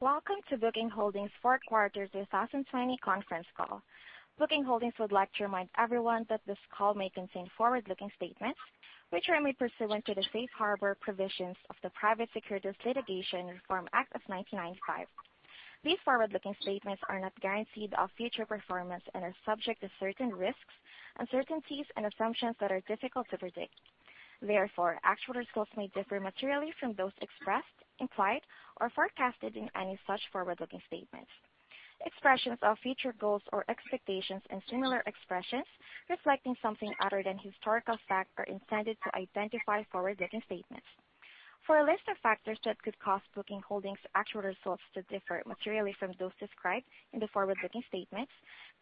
Welcome to Booking Holdings' fourth quarter 2020 conference call. Booking Holdings would like to remind everyone that this call may contain forward-looking statements, which are made pursuant to the safe harbor provisions of the Private Securities Litigation Reform Act of 1995. These forward-looking statements are not guarantees of future performance and are subject to certain risks, uncertainties, and assumptions that are difficult to predict. Therefore, actual results may differ materially from those expressed, implied, or forecasted in any such forward-looking statements. Expressions of future goals or expectations and similar expressions reflecting something other than historical fact are intended to identify forward-looking statements. For a list of factors that could cause Booking Holdings' actual results to differ materially from those described in the forward-looking statements,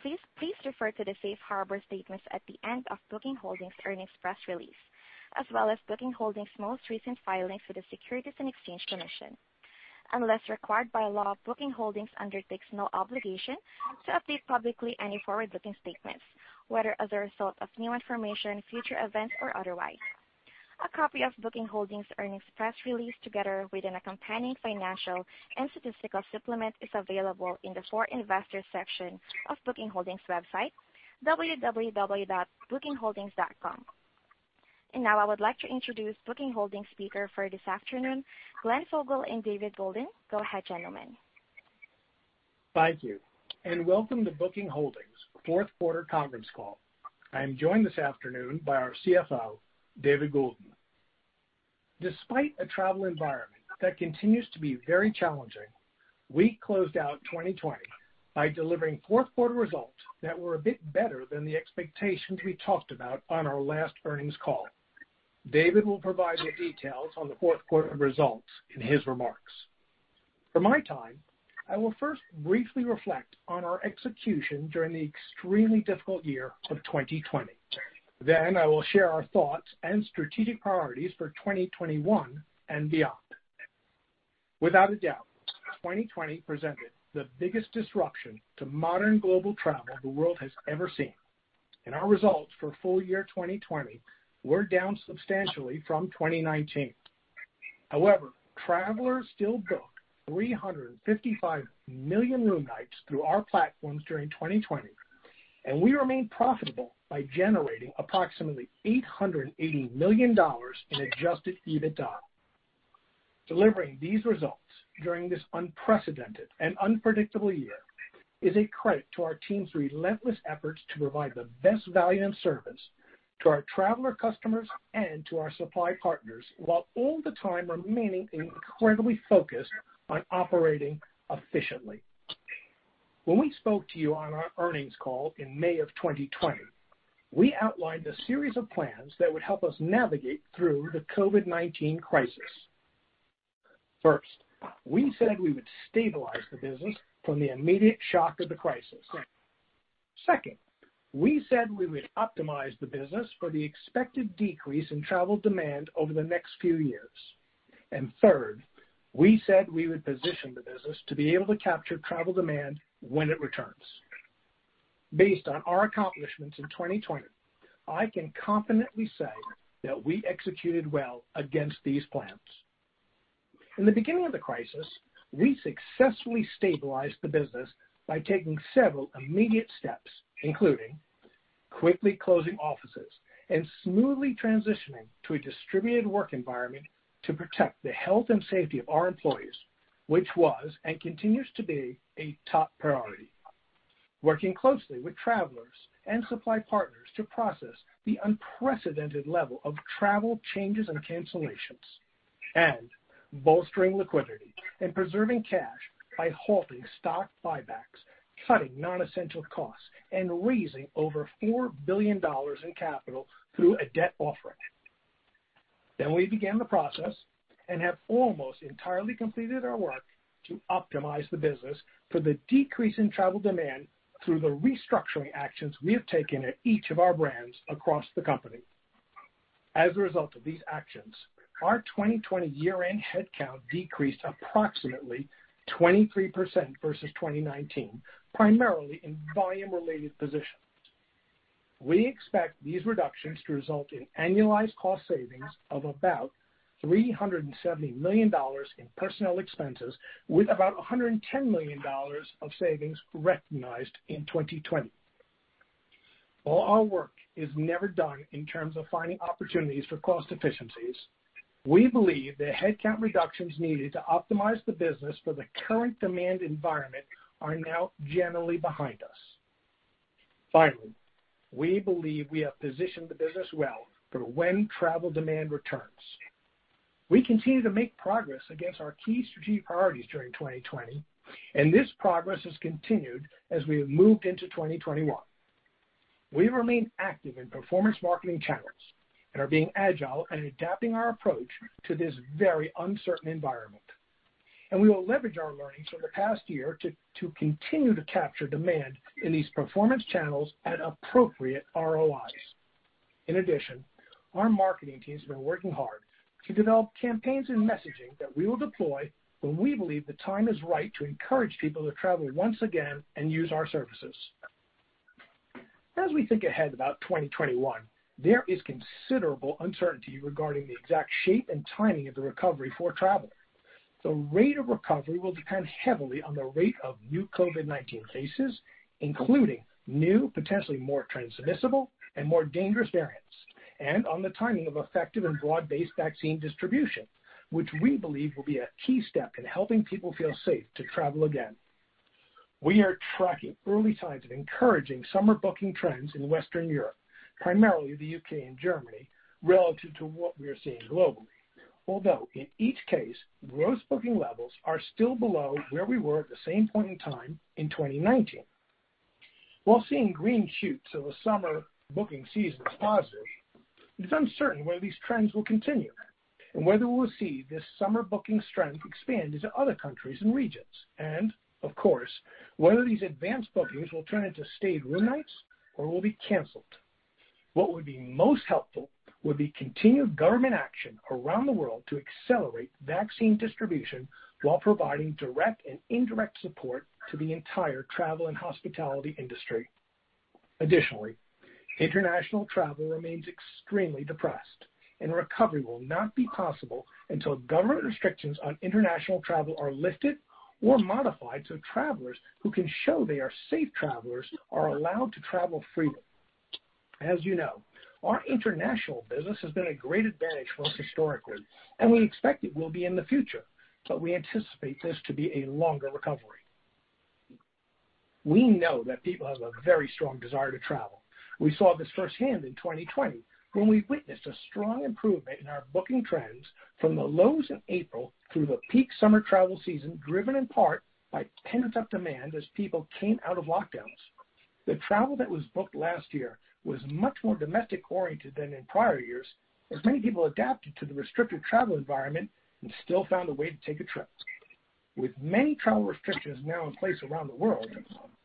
please refer to the safe harbor statements at the end of Booking Holdings' earnings press release, as well as Booking Holdings' most recent filings with the Securities and Exchange Commission. Unless required by law, Booking Holdings undertakes no obligation to update publicly any forward-looking statements, whether as a result of new information, future events, or otherwise. A copy of Booking Holdings' earnings press release, together with an accompanying financial and statistical supplement, is available in the For Investors section of Booking Holdings' website, www.bookingholdings.com. Now I would like to introduce Booking Holdings' speaker for this afternoon, Glenn Fogel and David Goulden. Go ahead, gentlemen. Thank you. Welcome to Booking Holdings' fourth quarter conference call. I am joined this afternoon by our CFO, David Goulden. Despite a travel environment that continues to be very challenging, we closed out 2020 by delivering fourth quarter results that were a bit better than the expectations we talked about on our last earnings call. David will provide the details on the fourth quarter results in his remarks. For my time, I will first briefly reflect on our execution during the extremely difficult year of 2020. I will share our thoughts and strategic priorities for 2021 and beyond. Without a doubt, 2020 presented the biggest disruption to modern global travel the world has ever seen, and our results for full year 2020 were down substantially from 2019. However, travelers still booked 355 million room nights through our platforms during 2020, and we remain profitable by generating approximately $880 million in adjusted EBITDA. Delivering these results during this unprecedented and unpredictable year is a credit to our team's relentless efforts to provide the best value and service to our traveler customers and to our supply partners, while all the time remaining incredibly focused on operating efficiently. When we spoke to you on our earnings call in May of 2020, we outlined a series of plans that would help us navigate through the COVID-19 crisis. First, we said we would stabilize the business from the immediate shock of the crisis. Second, we said we would optimize the business for the expected decrease in travel demand over the next few years. Third, we said we would position the business to be able to capture travel demand when it returns. Based on our accomplishments in 2020, I can confidently say that we executed well against these plans. In the beginning of the crisis, we successfully stabilized the business by taking several immediate steps, including quickly closing offices and smoothly transitioning to a distributed work environment to protect the health and safety of our employees, which was and continues to be a top priority, working closely with travelers and supply partners to process the unprecedented level of travel changes and cancellations, and bolstering liquidity and preserving cash by halting stock buybacks, cutting non-essential costs, and raising over $4 billion in capital through a debt offering. We began the process and have almost entirely completed our work to optimize the business for the decrease in travel demand through the restructuring actions we have taken at each of our brands across the company. As a result of these actions, our 2020 year-end headcount decreased approximately 23% versus 2019, primarily in volume-related positions. We expect these reductions to result in annualized cost savings of about $370 million in personnel expenses, with about $110 million of savings recognized in 2020. While our work is never done in terms of finding opportunities for cost efficiencies, we believe the headcount reductions needed to optimize the business for the current demand environment are now generally behind us. We believe we have positioned the business well for when travel demand returns. We continue to make progress against our key strategic priorities during 2020. This progress has continued as we have moved into 2021. We remain active in performance marketing channels and are being agile and adapting our approach to this very uncertain environment. We will leverage our learnings from the past year to continue to capture demand in these performance channels at appropriate ROIs. In addition, our marketing teams have been working hard to develop campaigns and messaging that we will deploy when we believe the time is right to encourage people to travel once again and use our services. As we think ahead about 2021, there is considerable uncertainty regarding the exact shape and timing of the recovery for travel. The rate of recovery will depend heavily on the rate of new COVID-19 cases, including new, potentially more transmissible and more dangerous variants, and on the timing of effective and broad-based vaccine distribution, which we believe will be a key step in helping people feel safe to travel again. We are tracking early signs of encouraging summer booking trends in Western Europe, primarily the U.K. and Germany, relative to what we are seeing globally. Although in each case, those booking levels are still below where we were at the same point in time in 2019. While seeing green shoots of a summer booking season is positive, it's uncertain whether these trends will continue and whether we'll see this summer booking strength expand into other countries and regions. Of course, whether these advanced bookings will turn into stayed room nights or will be canceled. What would be most helpful would be continued government action around the world to accelerate vaccine distribution while providing direct and indirect support to the entire travel and hospitality industry. Additionally, international travel remains extremely depressed, and recovery will not be possible until government restrictions on international travel are lifted or modified so travelers who can show they are safe travelers are allowed to travel freely. As you know, our international business has been a great advantage for us historically, and we expect it will be in the future, but we anticipate this to be a longer recovery. We know that people have a very strong desire to travel. We saw this firsthand in 2020, when we witnessed a strong improvement in our booking trends from the lows of April through the peak summer travel season, driven in part by pent-up demand as people came out of lockdowns. The travel that was booked last year was much more domestic-oriented than in prior years, as many people adapted to the restricted travel environment and still found a way to take a trip. With many travel restrictions now in place around the world,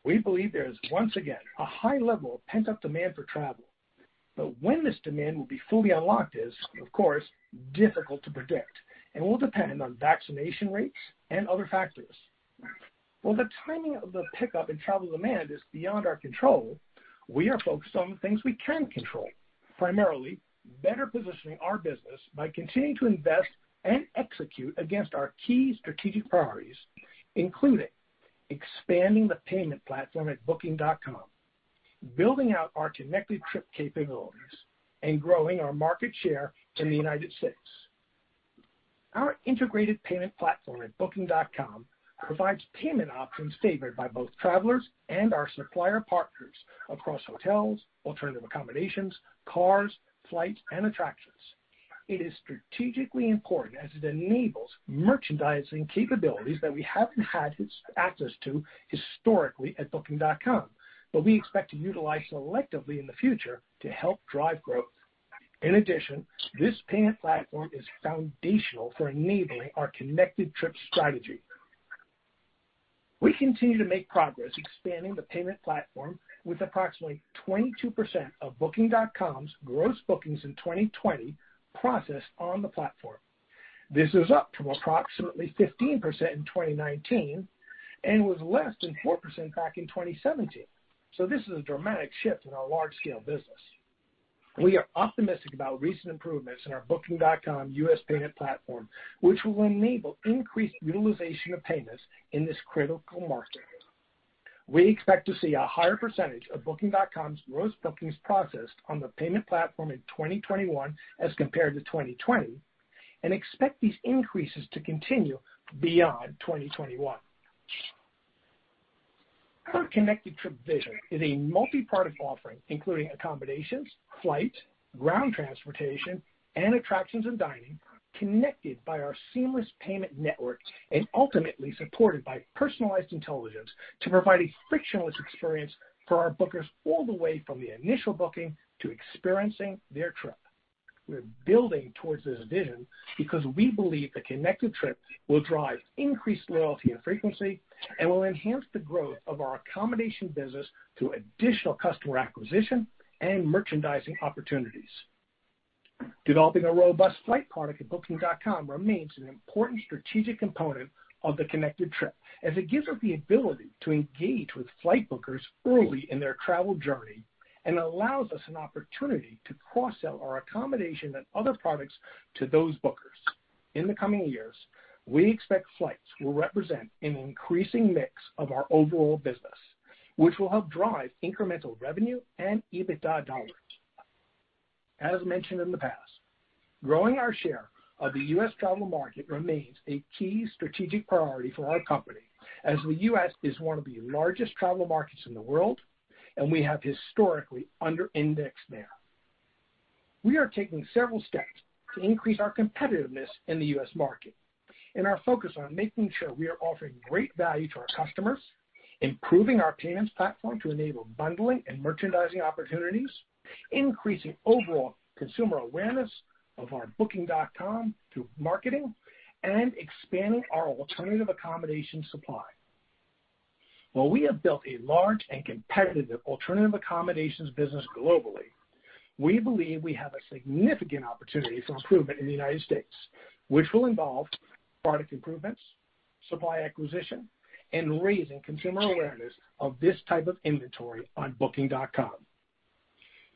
we believe there is once again a high level of pent-up demand for travel. When this demand will be fully unlocked is, of course, difficult to predict and will depend on vaccination rates and other factors. While the timing of the pickup in travel demand is beyond our control, we are focused on things we can control, primarily better positioning our business by continuing to invest and execute against our key strategic priorities, including expanding the payment platform at Booking.com, building out our Connected Trip capabilities, and growing our market share in the United States. Our integrated payment platform at Booking.com provides payment options favored by both travelers and our supplier partners across hotels, alternative accommodations, cars, flights, and attractions. It is strategically important as it enables merchandising capabilities that we haven't had access to historically at Booking.com, but we expect to utilize selectively in the future to help drive growth. In addition, this payment platform is foundational for enabling our Connected Trip strategy. We continue to make progress expanding the payment platform with approximately 22% of Booking.com's gross bookings in 2020 processed on the platform. This is up from approximately 15% in 2019 and was less than 4% back in 2017. This is a dramatic shift in our large-scale business. We are optimistic about recent improvements in our Booking.com U.S. payment platform, which will enable increased utilization of payments in this critical market. We expect to see a higher percentage of Booking.com's gross bookings processed on the payment platform in 2021 as compared to 2020 and expect these increases to continue beyond 2021. Our Connected Trip vision is a multi-product offering, including accommodations, flights, ground transportation, and attractions and dining, connected by our seamless payment network and ultimately supported by personalized intelligence to provide a frictionless experience for our bookers all the way from the initial booking to experiencing their trip. We're building towards this vision because we believe the Connected Trip will drive increased loyalty and frequency and will enhance the growth of our accommodation business through additional customer acquisition and merchandising opportunities. Developing a robust flight product at Booking.com remains an important strategic component of the Connected Trip, as it gives us the ability to engage with flight bookers early in their travel journey and allows us an opportunity to cross-sell our accommodation and other products to those bookers. In the coming years, we expect flights will represent an increasing mix of our overall business, which will help drive incremental revenue and EBITDA dollars. As mentioned in the past, growing our share of the U.S. travel market remains a key strategic priority for our company, as the U.S. is one of the largest travel markets in the world, and we have historically under-indexed there. We are taking several steps to increase our competitiveness in the U.S. market and are focused on making sure we are offering great value to our customers, improving our payments platform to enable bundling and merchandising opportunities, increasing overall consumer awareness of our Booking.com through marketing, and expanding our alternative accommodation supply. While we have built a large and competitive alternative accommodations business globally. We believe we have a significant opportunity for improvement in the United States, which will involve product improvements, supply acquisition, and raising consumer awareness of this type of inventory on Booking.com.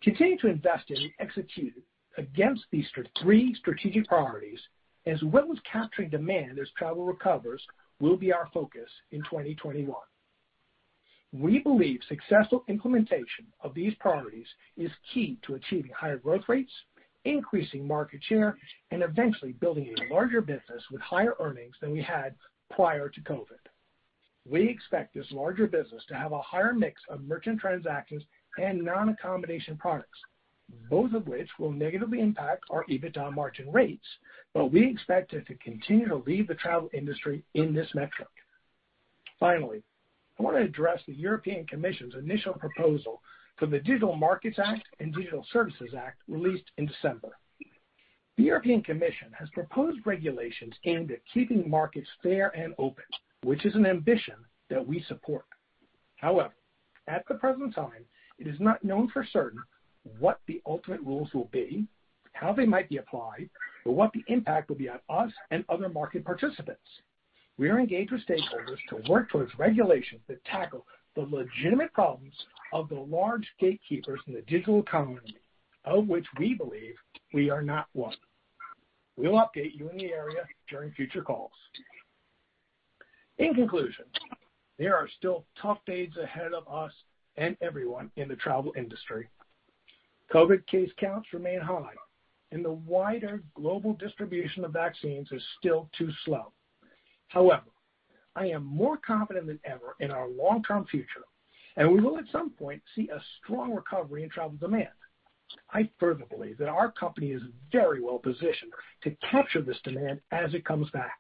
Continuing to invest in and execute against these three strategic priorities, as well as capturing demand as travel recovers, will be our focus in 2021. We believe successful implementation of these priorities is key to achieving higher growth rates, increasing market share, and eventually building a larger business with higher earnings than we had prior to COVID. We expect this larger business to have a higher mix of merchant transactions and non-accommodation products, both of which will negatively impact our EBITDA margin rates, but we expect it to continue to lead the travel industry in this metric. Finally, I want to address the European Commission's initial proposal for the Digital Markets Act and Digital Services Act released in December. The European Commission has proposed regulations aimed at keeping markets fair and open, which is an ambition that we support. However, at the present time, it is not known for certain what the ultimate rules will be, how they might be applied, or what the impact will be on us and other market participants. We are engaged with stakeholders to work towards regulations that tackle the legitimate problems of the large gatekeepers in the digital economy, of which we believe we are not one. We will update you in the area during future calls. In conclusion, there are still tough days ahead of us and everyone in the travel industry. COVID case counts remain high, and the wider global distribution of vaccines is still too slow. However, I am more confident than ever in our long-term future, and we will at some point see a strong recovery in travel demand. I further believe that our company is very well-positioned to capture this demand as it comes back.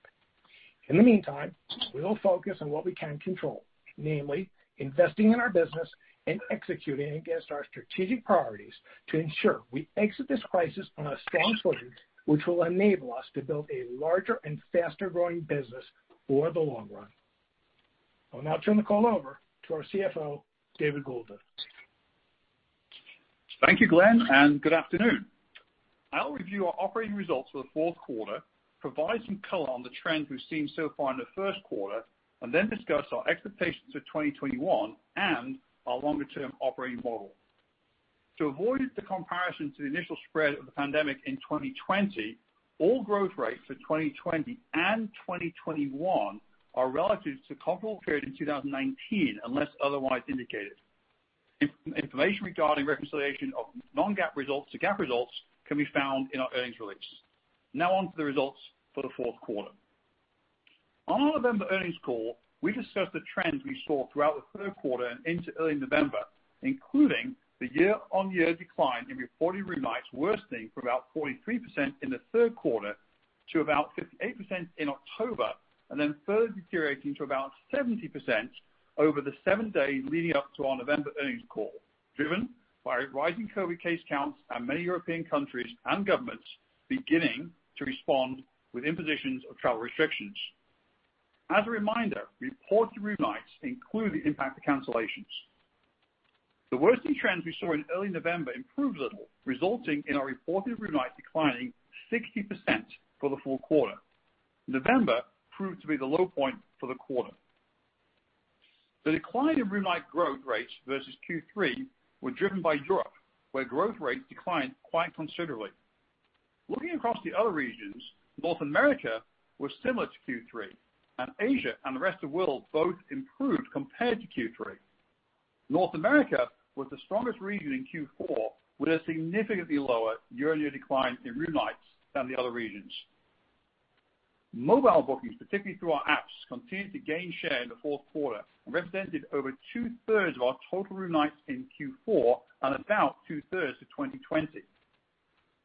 In the meantime, we will focus on what we can control, namely investing in our business and executing against our strategic priorities to ensure we exit this crisis on a strong footing, which will enable us to build a larger and faster-growing business for the long run. I will now turn the call over to our CFO, David Goulden. Thank you, Glenn. Good afternoon. I'll review our operating results for the fourth quarter, provide some color on the trends we've seen so far in the first quarter, and then discuss our expectations for 2021 and our longer-term operating model. To avoid the comparison to the initial spread of the pandemic in 2020, all growth rates for 2020 and 2021 are relative to comparable period in 2019, unless otherwise indicated. Information regarding reconciliation of non-GAAP results to GAAP results can be found in our earnings release. On to the results for the fourth quarter. On our November earnings call, we discussed the trends we saw throughout the third quarter and into early November, including the year-on-year decline in reported room nights worsening from about 43% in the third quarter to about 58% in October, and then further deteriorating to about 70% over the seven days leading up to our November earnings call, driven by rising COVID case counts and many European countries and governments beginning to respond with impositions of travel restrictions. As a reminder, reported room nights include the impact of cancellations. The worsening trends we saw in early November improved a little, resulting in our reported room nights declining 60% for the full quarter. November proved to be the low point for the quarter. The decline in room night growth rates versus Q3 were driven by Europe, where growth rates declined quite considerably. Looking across the other regions, North America was similar to Q3, and Asia and the rest of world both improved compared to Q3. North America was the strongest region in Q4, with a significantly lower year-over-year decline in room nights than the other regions. Mobile bookings, particularly through our apps, continued to gain share in the fourth quarter and represented over two-thirds of our total room nights in Q4 and about two-thirds of 2020.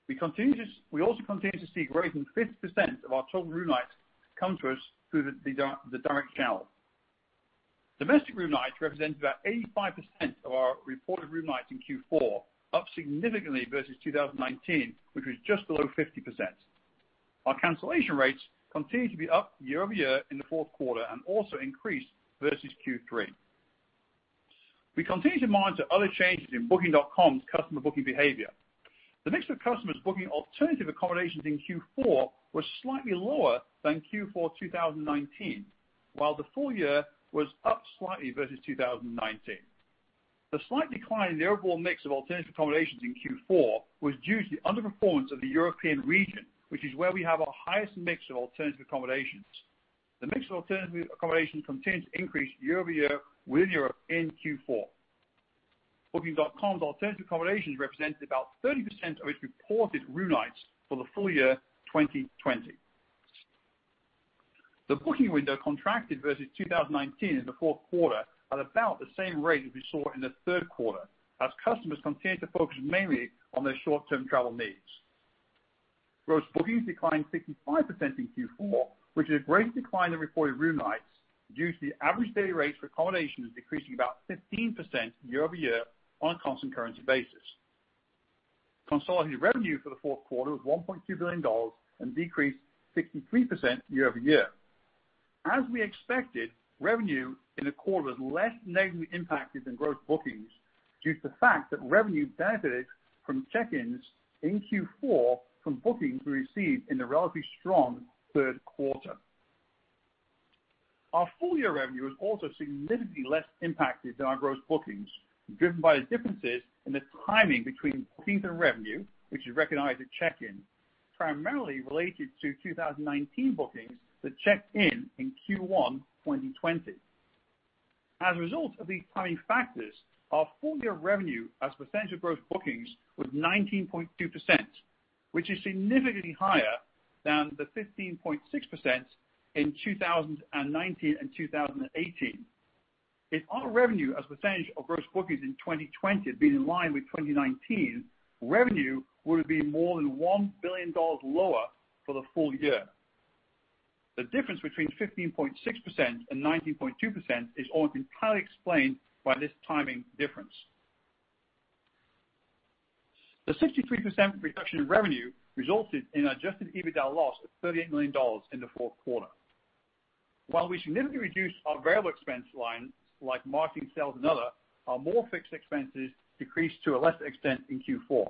We also continue to see a growing 50% of our total room nights come to us through the direct channel. Domestic room nights represented about 85% of our reported room nights in Q4, up significantly versus 2019, which was just below 50%. Our cancellation rates continued to be up year-over-year in the fourth quarter and also increased versus Q3. We continue to monitor other changes in Booking.com's customer booking behavior. The mix of customers booking alternative accommodations in Q4 was slightly lower than Q4 2019, while the full year was up slightly versus 2019. The slight decline in the overall mix of alternative accommodations in Q4 was due to the underperformance of the European region, which is where we have our highest mix of alternative accommodations. The mix of alternative accommodations continued to increase year-over-year within Europe in Q4. Booking.com's alternative accommodations represented about 30% of its reported room nights for the full year 2020. The booking window contracted versus 2019 in the fourth quarter at about the same rate as we saw in the third quarter, as customers continued to focus mainly on their short-term travel needs. Gross bookings declined 55% in Q4, which is a greater decline in reported room nights due to the average daily rates for accommodations decreasing about 15% year-over-year on a constant currency basis. Consolidated revenue for the fourth quarter was $1.2 billion and decreased 63% year-over-year. As we expected, revenue in the quarter was less negatively impacted than gross bookings due to the fact that revenue benefited from check-ins in Q4 from bookings we received in the relatively strong third quarter. Our full-year revenue was also significantly less impacted than our gross bookings, driven by the differences in the timing between bookings and revenue, which is recognized at check-in, primarily related to 2019 bookings that checked in Q1 2020. As a result of these timing factors, our full-year revenue as a percentage of gross bookings was 19.2%, which is significantly higher than the 15.6% in 2019 and 2018. If our revenue as a percentage of gross bookings in 2020 had been in line with 2019, revenue would have been more than $1 billion lower for the full year. The difference between 15.6% and 19.2% is almost entirely explained by this timing difference. The 63% reduction in revenue resulted in adjusted EBITDA loss of $38 million in the fourth quarter. While we significantly reduced our variable expense lines like marketing, sales, and other, our more fixed expenses decreased to a lesser extent in Q4.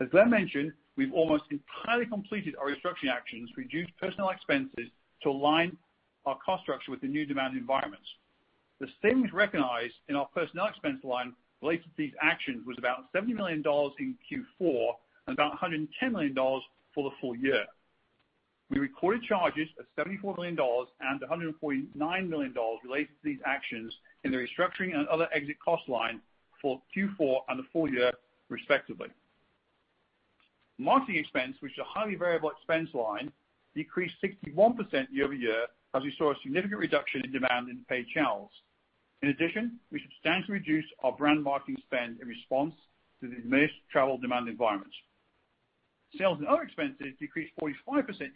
As Glenn mentioned, we've almost entirely completed our restructuring actions to reduce personnel expenses to align our cost structure with the new demand environments. The savings recognized in our personnel expense line related to these actions was about $70 million in Q4 and about $110 million for the full year. We recorded charges of $74 million and $149 million related to these actions in the restructuring and other exit cost line for Q4 and the full year, respectively. Marketing expense, which is a highly variable expense line, decreased 61% year-over-year as we saw a significant reduction in demand in paid channels. In addition, we substantially reduced our brand marketing spend in response to the diminished travel demand environments. Sales and other expenses decreased 45%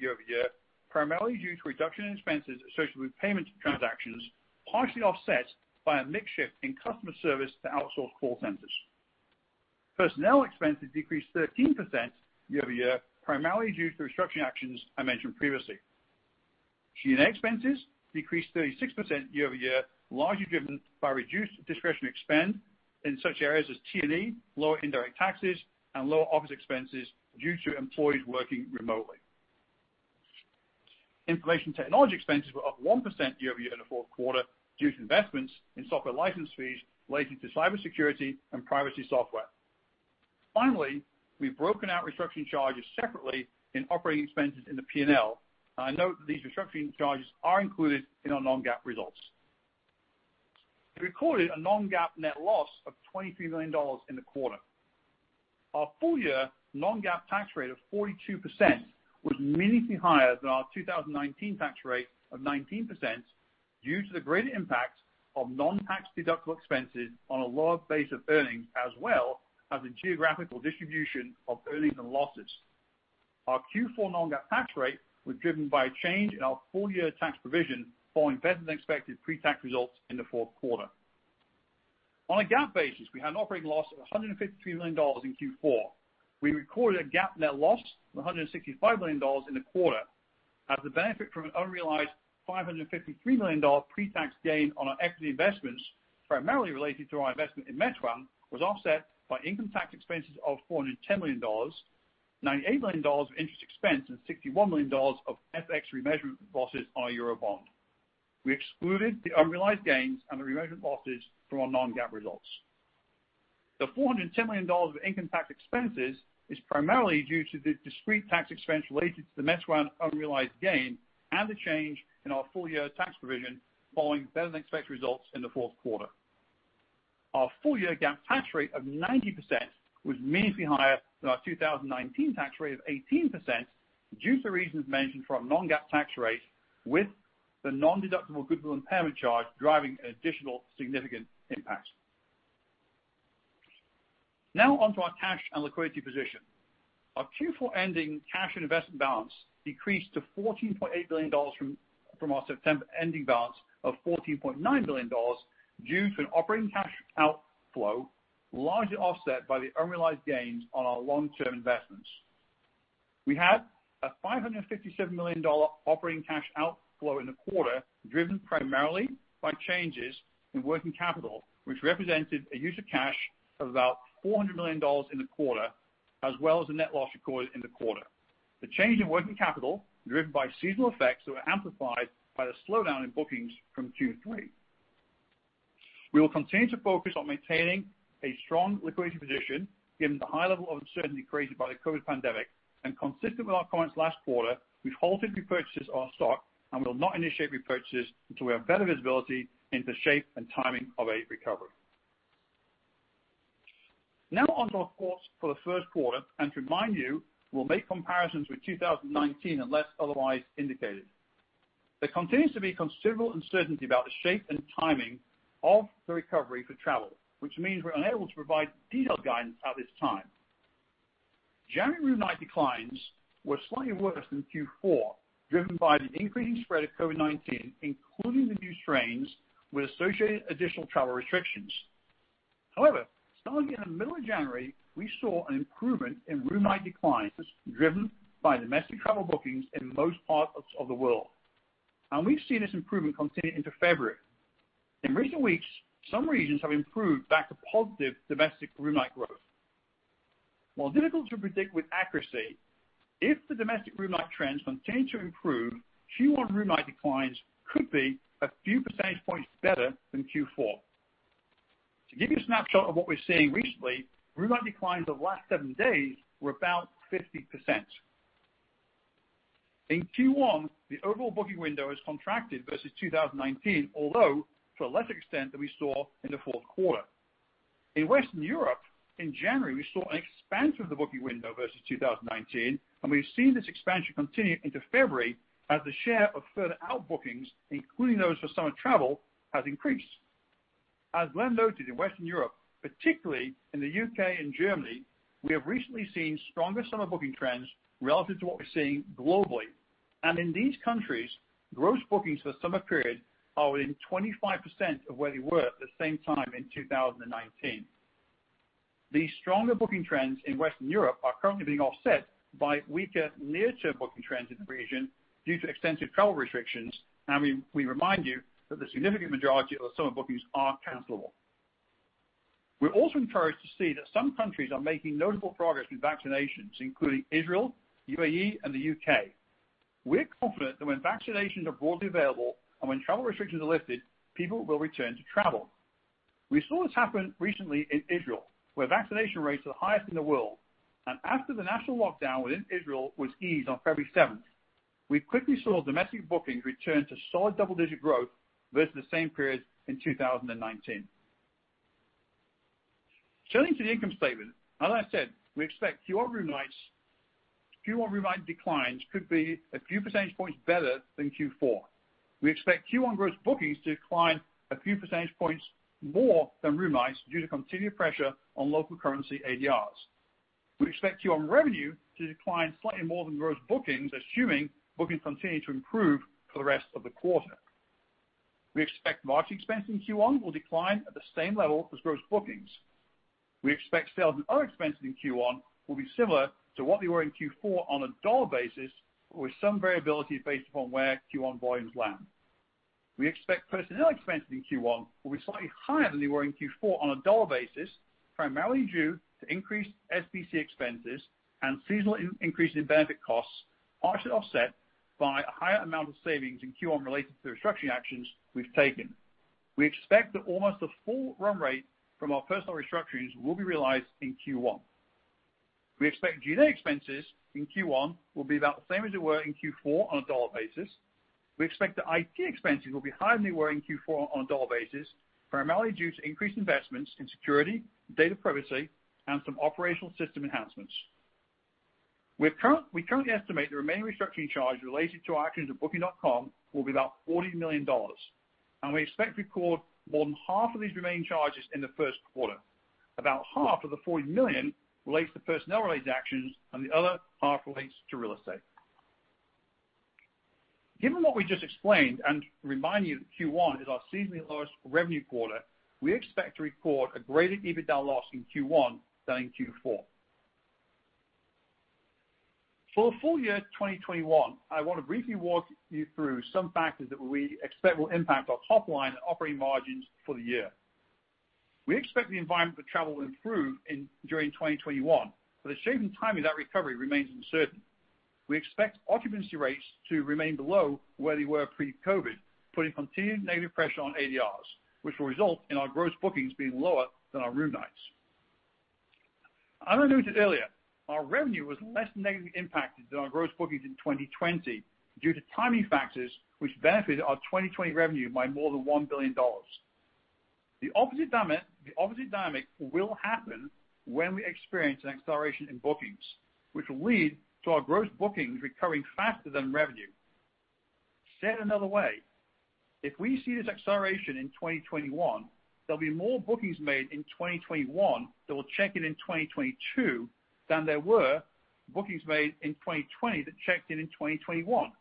year-over-year, primarily due to reduction in expenses associated with payment transactions, partially offset by a mix shift in customer service to outsourced call centers. Personnel expenses decreased 13% year-over-year, primarily due to the restructuring actions I mentioned previously. G&A expenses decreased 36% year-over-year, largely driven by reduced discretionary spend in such areas as T&E, lower indirect taxes, and lower office expenses due to employees working remotely. Information technology expenses were up 1% year-over-year in the fourth quarter due to investments in software license fees related to cybersecurity and privacy software. Finally, we've broken out restructuring charges separately in operating expenses in the P&L, and I note that these restructuring charges are included in our non-GAAP results. We recorded a non-GAAP net loss of $23 million in the quarter. Our full-year non-GAAP tax rate of 42% was meaningfully higher than our 2019 tax rate of 19% due to the greater impact of non-tax-deductible expenses on a lower base of earnings as well as the geographical distribution of earnings and losses. Our Q4 non-GAAP tax rate was driven by a change in our full-year tax provision following better-than-expected pre-tax results in the fourth quarter. On a GAAP basis, we had an operating loss of $153 million in Q4. We recorded a GAAP net loss of $165 million in the quarter as the benefit from an unrealized $553 million pre-tax gain on our equity investments, primarily related to our investment in Meituan, was offset by income tax expenses of $410 million, $98 million of interest expense, and $61 million of FX remeasurement losses on our euro bond. We excluded the unrealized gains and the remeasurement losses from our non-GAAP results. The $410 million of income tax expenses is primarily due to the discrete tax expense related to the Meituan unrealized gain and the change in our full-year tax provision following better-than-expected results in the fourth quarter. Our full-year GAAP tax rate of 90% was meaningfully higher than our 2019 tax rate of 18% due to reasons mentioned for our non-GAAP tax rate, with the non-deductible goodwill impairment charge driving additional significant impact. Now on to our cash and liquidity position. Our Q4 ending cash and investment balance decreased to $14.8 billion from our September ending balance of $14.9 billion due to an operating cash outflow largely offset by the unrealized gains on our long-term investments. We had a $557 million operating cash outflow in the quarter, driven primarily by changes in working capital, which represented a use of cash of about $400 million in the quarter, as well as the net loss recorded in the quarter. The change in working capital was driven by seasonal effects that were amplified by the slowdown in bookings from Q3. We will continue to focus on maintaining a strong liquidity position given the high level of uncertainty created by the COVID-19 pandemic, and consistent with our comments last quarter, we've halted repurchases of our stock and will not initiate repurchases until we have better visibility into the shape and timing of a recovery. Now on to our course for the first quarter, and to remind you, we'll make comparisons with 2019 unless otherwise indicated. There continues to be considerable uncertainty about the shape and timing of the recovery for travel, which means we're unable to provide detailed guidance at this time. January room night declines were slightly worse than Q4, driven by the increasing spread of COVID-19, including the new strains with associated additional travel restrictions. Starting in the middle of January, we saw an improvement in room night declines driven by domestic travel bookings in most parts of the world. We've seen this improvement continue into February. In recent weeks, some regions have improved back to positive domestic room night growth. While difficult to predict with accuracy, if the domestic room night trends continue to improve, Q1 room night declines could be a few percentage points better than Q4. To give you a snapshot of what we're seeing recently, room night declines over the last seven days were about 50%. In Q1, the overall booking window has contracted versus 2019, although to a lesser extent than we saw in the fourth quarter. In Western Europe, in January, we saw an expansion of the booking window versus 2019, and we've seen this expansion continue into February as the share of further out bookings, including those for summer travel, has increased. As Glenn noted, in Western Europe, particularly in the U.K. and Germany, we have recently seen stronger summer booking trends relative to what we're seeing globally. In these countries, gross bookings for the summer period are within 25% of where they were at the same time in 2019. These stronger booking trends in Western Europe are currently being offset by weaker near-term booking trends in the region due to extensive travel restrictions, and we remind you that the significant majority of summer bookings are cancelable. We're also encouraged to see that some countries are making notable progress with vaccinations, including Israel, UAE, and the U.K. We're confident that when vaccinations are broadly available and when travel restrictions are lifted, people will return to travel. We saw this happen recently in Israel, where vaccination rates are the highest in the world. After the national lockdown within Israel was eased on February 7th, we quickly saw domestic bookings return to solid double-digit growth versus the same period in 2019. Turning to the income statement. As I said, we expect Q1 room night declines could be a few percentage points better than Q4. We expect Q1 gross bookings to decline a few percentage points more than room nights due to continued pressure on local currency ADRs. We expect Q1 revenue to decline slightly more than gross bookings, assuming bookings continue to improve for the rest of the quarter. We expect marketing expense in Q1 will decline at the same level as gross bookings. We expect sales and other expenses in Q1 will be similar to what they were in Q4 on a dollar basis, but with some variability based upon where Q1 volumes land. We expect personnel expenses in Q1 will be slightly higher than they were in Q4 on a dollar basis, primarily due to increased SBC expenses and seasonal increases in benefit costs, partially offset by a higher amount of savings in Q1 related to the restructuring actions we've taken. We expect that almost the full run rate from our personnel restructurings will be realized in Q1. We expect G&A expenses in Q1 will be about the same as they were in Q4 on a dollar basis. We expect the IT expenses will be higher than they were in Q4 on a dollar basis, primarily due to increased investments in security, data privacy, and some operational system enhancements. We currently estimate the remaining restructuring charge related to our actions at Booking.com will be about $40 million, and we expect to record more than half of these remaining charges in the first quarter. About half of the $40 million relates to personnel-related actions, and the other half relates to real estate. Given what we just explained, and to remind you that Q1 is our seasonally lowest revenue quarter, we expect to report a greater EBITDA loss in Q1 than in Q4. For full year 2021, I want to briefly walk you through some factors that we expect will impact our top line and operating margins for the year. We expect the environment for travel will improve during 2021, but the shape and timing of that recovery remains uncertain. We expect occupancy rates to remain below where they were pre-COVID, putting continued negative pressure on ADRs, which will result in our gross bookings being lower than our room nights. As I noted earlier, our revenue was less negatively impacted than our gross bookings in 2020 due to timing factors which benefited our 2020 revenue by more than $1 billion. The opposite dynamic will happen when we experience an acceleration in bookings, which will lead to our gross bookings recovering faster than revenue. Said another way, if we see this acceleration in 2021, there'll be more bookings made in 2021 that will check in in 2022 than there were bookings made in 2020 that checked in in 2021.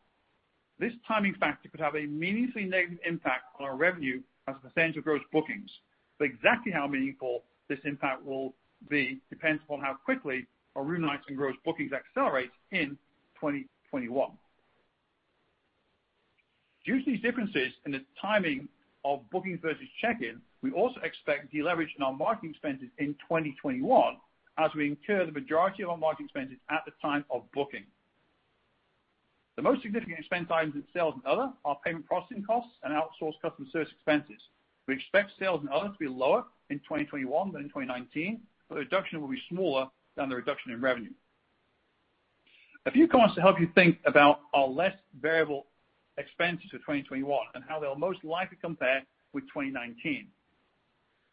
This timing factor could have a meaningfully negative impact on our revenue as a percentage of gross bookings, but exactly how meaningful this impact will be depends upon how quickly our room nights and gross bookings accelerate in 2021. Due to these differences in the timing of bookings versus check-ins, we also expect deleverage in our marketing expenses in 2021 as we incur the majority of our marketing expenses at the time of booking. The most significant expense items in sales and other are payment processing costs and outsourced customer service expenses. We expect sales and other to be lower in 2021 than 2019, but the reduction will be smaller than the reduction in revenue. A few comments to help you think about our less variable expenses for 2021 and how they will most likely compare with 2019.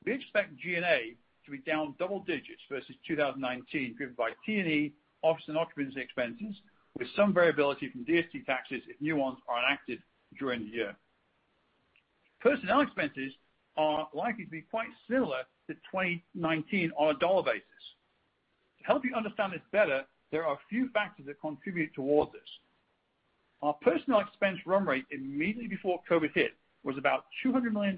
We expect G&A to be down double digits versus 2019, driven by T&E, office and occupancy expenses, with some variability from DST taxes if new ones are enacted during the year. Personnel expenses are likely to be quite similar to 2019 on a dollar basis. To help you understand this better, there are a few factors that contribute towards this. Our personnel expense run rate immediately before COVID hit was about $200 million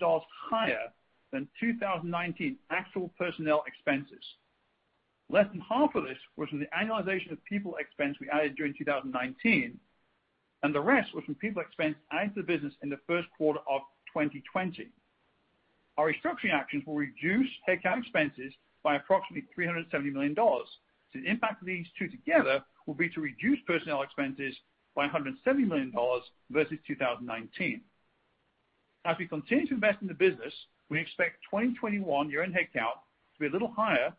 higher than 2019 actual personnel expenses. Less than half of this was from the annualization of people expense we added during 2019, and the rest was from people expense added to the business in the first quarter of 2020. Our restructuring actions will reduce headcount expenses by approximately $370 million. The impact of these two together will be to reduce personnel expenses by $170 million versus 2019. As we continue to invest in the business, we expect 2021 year-end headcount to be a little higher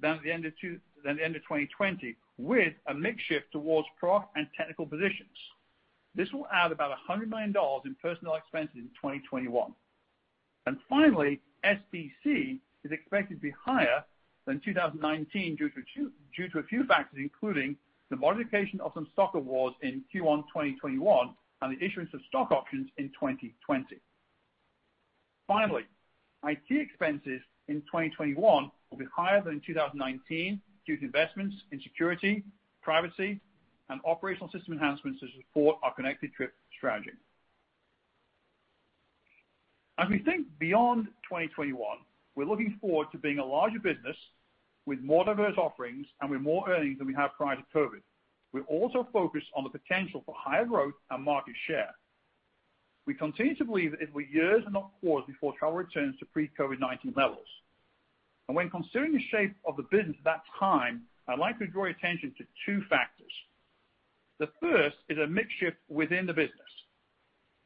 than at the end of 2020, with a mix shift towards product and technical positions. This will add about $100 million in personnel expenses in 2021. Finally, SBC is expected to be higher than 2019 due to a few factors, including the modification of some stock awards in Q1 2021 and the issuance of stock options in 2020. Finally, IT expenses in 2021 will be higher than in 2019 due to investments in security, privacy, and operational system enhancements to support our Connected Trip strategy. As we think beyond 2021, we're looking forward to being a larger business with more diverse offerings and with more earnings than we had prior to COVID-19. We're also focused on the potential for higher growth and market share. We continue to believe that it will be years and not quarters before travel returns to pre-COVID-19 levels. When considering the shape of the business at that time, I'd like to draw your attention to two factors. The first is a mix shift within the business.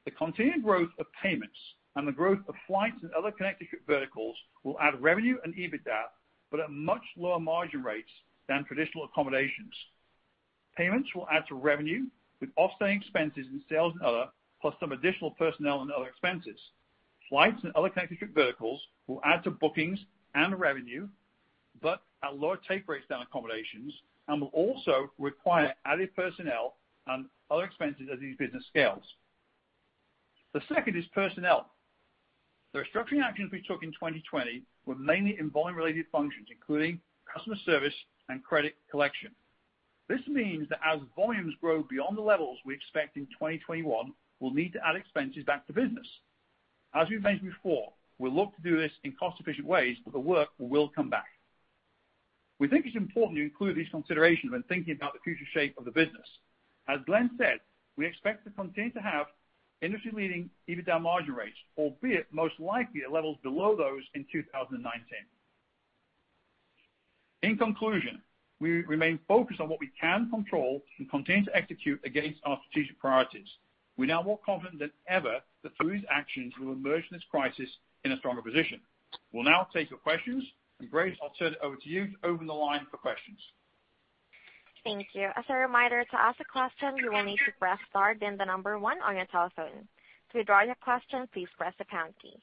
The continued growth of payments and the growth of flights and other Connected Trip verticals will add revenue and EBITDA, but at much lower margin rates than traditional accommodations. Payments will add to revenue with offsetting expenses in sales and other, plus some additional personnel and other expenses. Flights and other Connected Trip verticals will add to bookings and revenue, but at lower take rates than accommodations and will also require added personnel and other expenses as these business scales. The second is personnel. The restructuring actions we took in 2020 were mainly in volume-related functions, including customer service and credit collection. This means that as volumes grow beyond the levels we expect in 2021, we'll need to add expenses back to business. As we've mentioned before, we look to do this in cost-efficient ways, but the work will come back. We think it's important to include these considerations when thinking about the future shape of the business. As Glenn said, we expect to continue to have industry-leading EBITDA margin rates, albeit most likely at levels below those in 2019. In conclusion, we remain focused on what we can control and continue to execute against our strategic priorities. We are now more confident than ever that through these actions, we will emerge from this crisis in a stronger position. We'll now take your questions, and Grace, I'll turn it over to you to open the line for questions. Thank you. As a reminder to ask a question you will need to press star and the number one on your telephone. To withdraw your question please press the pound key.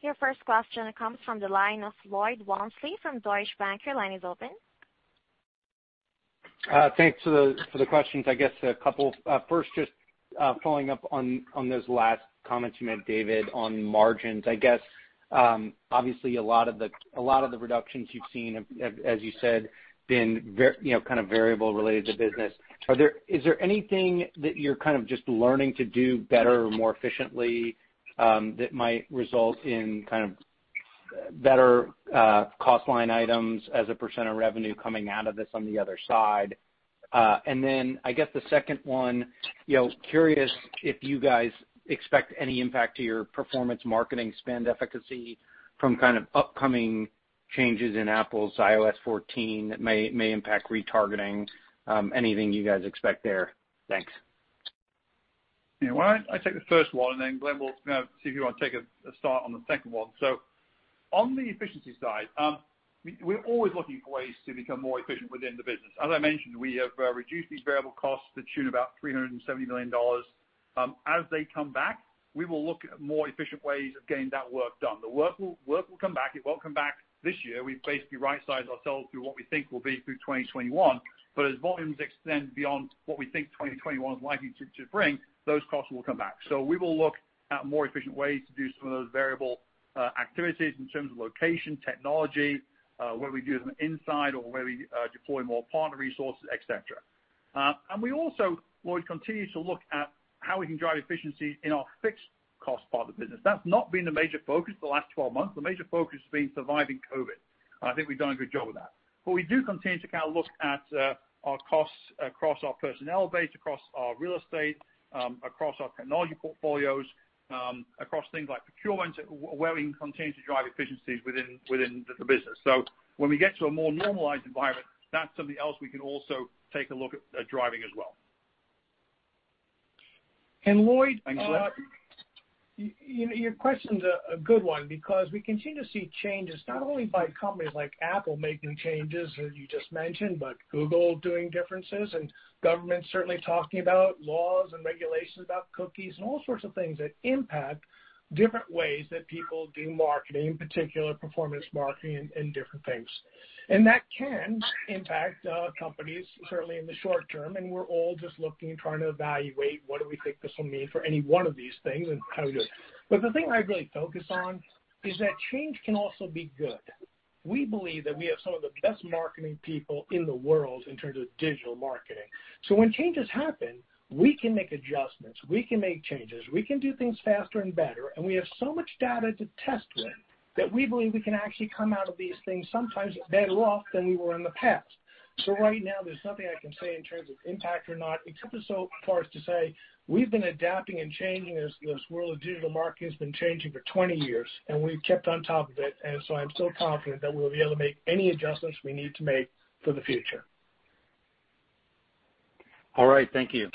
Your first question comes from the line of Lloyd Walmsley from Deutsche Bank. Your line is open. Thanks for the questions. I guess a couple. First, just following up on those last comments you made, David, on margins. I guess, obviously, a lot of the reductions you've seen have, as you said, been variable related to business. Sure. Is there anything that you're just learning to do better or more efficiently that might result in better cost line items as a percent of revenue coming out of this on the other side? I guess the second one, curious if you guys expect any impact to your performance marketing spend efficacy from upcoming changes in Apple's iOS 14 that may impact retargeting. Anything you guys expect there? Thanks. Why don't I take the first one, and then Glenn, we'll see if you want to take a start on the second one. On the efficiency side, we're always looking for ways to become more efficient within the business. As I mentioned, we have reduced these variable costs to tune of about $370 million. As they come back, we will look at more efficient ways of getting that work done. The work will come back. It won't come back this year. We've basically right-sized ourselves through what we think we'll be through 2021. As volumes extend beyond what we think 2021 is likely to bring, those costs will come back. We will look at more efficient ways to do some of those variable activities in terms of location, technology, whether we do them inside or whether we deploy more partner resources, et cetera. We also, Lloyd, continue to look at how we can drive efficiency in our fixed cost part of the business. That's not been a major focus for the last 12 months. The major focus has been surviving COVID, and I think we've done a good job of that. We do continue to look at our costs across our personnel base, across our real estate, across our technology portfolios, across things like procurement, where we can continue to drive efficiencies within the business. When we get to a more normalized environment, that's something else we can also take a look at driving as well. Lloyd Thanks, Glenn. Your question's a good one because we continue to see changes not only by companies like Apple making changes, as you just mentioned, but Google doing differences, and governments certainly talking about laws and regulations about cookies and all sorts of things that impact different ways that people do marketing, in particular performance marketing and different things. That can impact companies, certainly in the short term, and we're all just looking and trying to evaluate what do we think this will mean for any one of these things and how we do it. The thing I'd really focus on is that change can also be good. We believe that we have some of the best marketing people in the world in terms of digital marketing. When changes happen, we can make adjustments, we can make changes, we can do things faster and better, and we have so much data to test with that we believe we can actually come out of these things sometimes better off than we were in the past. Right now, there's nothing I can say in terms of impact or not, except for so far as to say, we've been adapting and changing as this world of digital marketing has been changing for 20 years, and we've kept on top of it. I'm so confident that we'll be able to make any adjustments we need to make for the future. All right. Thank you.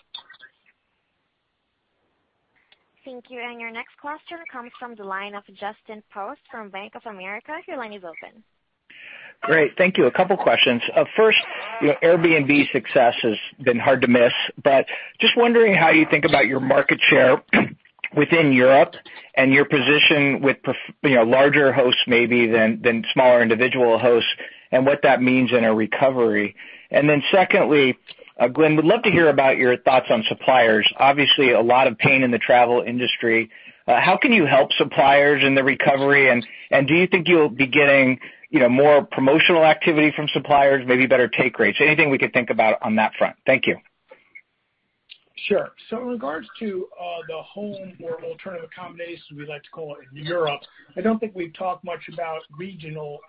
Thank you. Your next question comes from the line of Justin Post from Bank of America. Your line is open. Great. Thank you. A couple questions. First, Airbnb's success has been hard to miss, but just wondering how you think about your market share within Europe and your position with larger hosts maybe than smaller individual hosts and what that means in a recovery. Secondly, Glenn, would love to hear about your thoughts on suppliers. Obviously, a lot of pain in the travel industry. How can you help suppliers in the recovery, and do you think you'll be getting more promotional activity from suppliers, maybe better take rates? Anything we could think about on that front. Thank you. Sure. In regards to the home or alternative accommodation, we like to call it in Europe, I don't think we've talked much about regional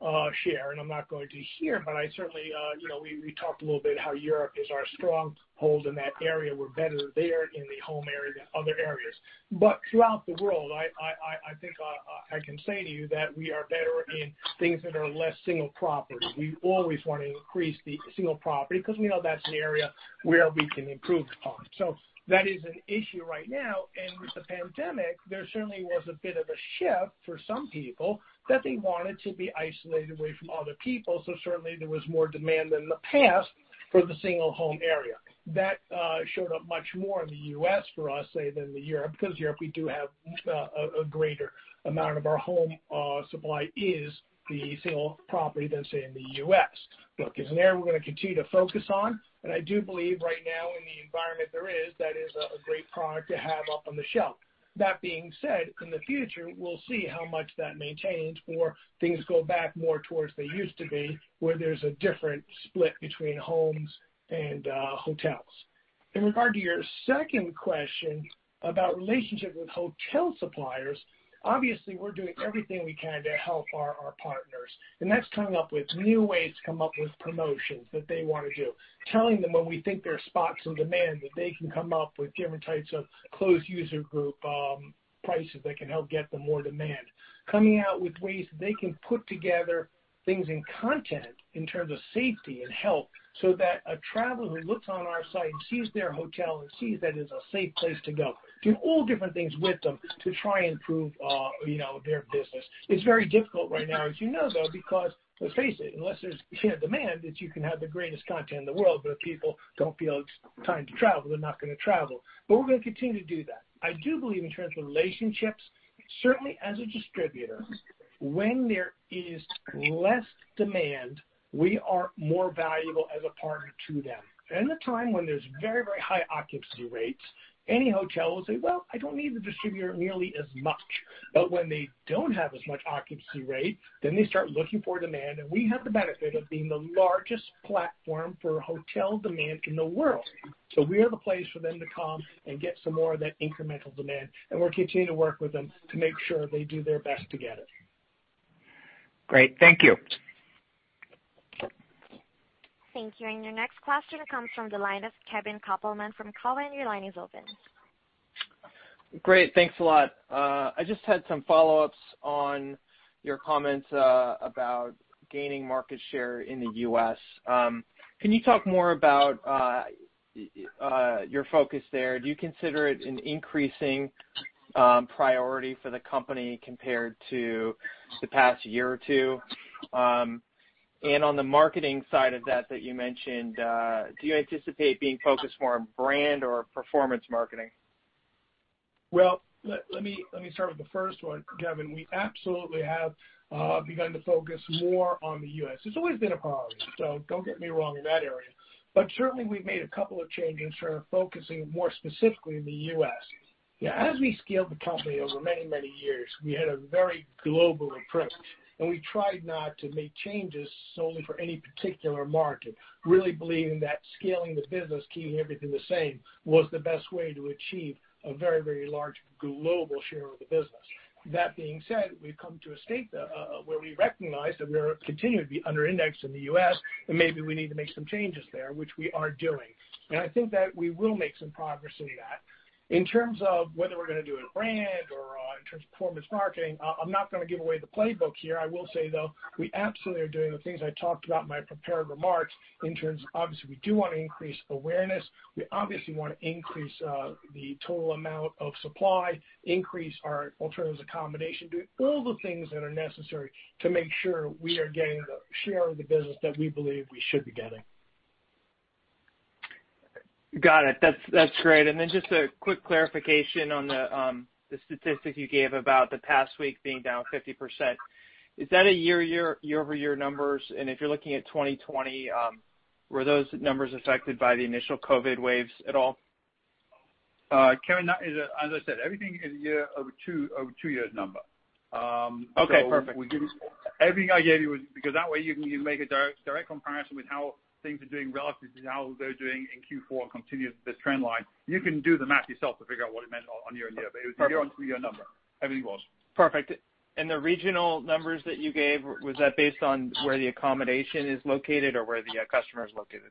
exact share, and I'm not going to here, but we talked a little bit how Europe is our stronghold in that area. We're better there in the home area than other areas. Throughout the world, I think I can say to you that we are better in things that are less single property. We always want to increase the single property because we know that's an area where we can improve upon. That is an issue right now. With the pandemic, there certainly was a bit of a shift for some people that they wanted to be isolated away from other people. Certainly, there was more demand than in the past for the single home area. That showed up much more in the U.S. for us, say, than the Europe, because Europe, we do have a greater amount of our home supply is the single property than, say, in the U.S. Look, it's an area we're going to continue to focus on, and I do believe right now in the environment there is, that is a great product to have up on the shelf. That being said, in the future, we'll see how much that maintains or things go back more towards they used to be, where there's a different split between homes and hotels. In regard to your second question about relationship with hotel suppliers, obviously, we're doing everything we can to help our partners, and that's coming up with new ways to come up with promotions that they want to do, telling them when we think there are spots of demand that they can come up with different types of closed user group prices that can help get them more demand, coming out with ways that they can put together things in content in terms of safety and health, so that a traveler who looks on our site and sees their hotel and sees that is a safe place to go. Do all different things with them to try and prove their business. It's very difficult right now, as you know, though, because let's face it, unless there's demand, that you can have the greatest content in the world, but if people don't feel it's time to travel, they're not going to travel. We're going to continue to do that. I do believe in terms of relationships, certainly as a distributor, when there is less demand, we are more valuable as a partner to them. In the time when there's very high occupancy rates, any hotel will say, "Well, I don't need the distributor nearly as much." When they don't have as much occupancy rate, then they start looking for demand, and we have the benefit of being the largest platform for hotel demand in the world. We are the place for them to come and get some more of that incremental demand, and we'll continue to work with them to make sure they do their best to get it. Great. Thank you. Thank you. Your next question comes from the line of Kevin Kopelman from Cowen. Your line is open. Great. Thanks a lot. I just had some follow-ups on your comments about gaining market share in the U.S. Can you talk more about your focus there? Do you consider it an increasing priority for the company compared to the past year or two? On the marketing side of that you mentioned, do you anticipate being focused more on brand or performance marketing? Well, let me start with the first one, Kevin. We absolutely have begun to focus more on the U.S. It's always been a priority, so don't get me wrong in that area. Certainly, we've made a couple of changes in terms of focusing more specifically in the U.S. As we scaled the company over many years, we had a very global approach, and we tried not to make changes solely for any particular market, really believing that scaling the business, keeping everything the same, was the best way to achieve a very large global share of the business. That being said, we've come to a state where we recognize that we're continuing to be under indexed in the U.S., and maybe we need to make some changes there, which we are doing. I think that we will make some progress in that. In terms of whether we're going to do a brand or in terms of performance marketing, I'm not going to give away the playbook here. I will say, though, we absolutely are doing the things I talked about in my prepared remarks in terms, obviously, we do want to increase awareness. We obviously want to increase the total amount of supply, increase our alternatives accommodation, do all the things that are necessary to make sure we are getting the share of the business that we believe we should be getting. Got it. That's great. Just a quick clarification on the statistic you gave about the past week being down 50%. Is that a year-over-year numbers? If you're looking at 2020, were those numbers affected by the initial COVID waves at all? Kevin, as I said, everything is a two-year number. Okay, perfect. Everything I gave you was because that way you can make a direct comparison with how things are doing relative to how they're doing in Q4 and continue this trend line. You can do the math yourself to figure out what it meant on year-on-year, but it was a year-on-two-year number. Everything was. Perfect. The regional numbers that you gave, was that based on where the accommodation is located or where the customer is located?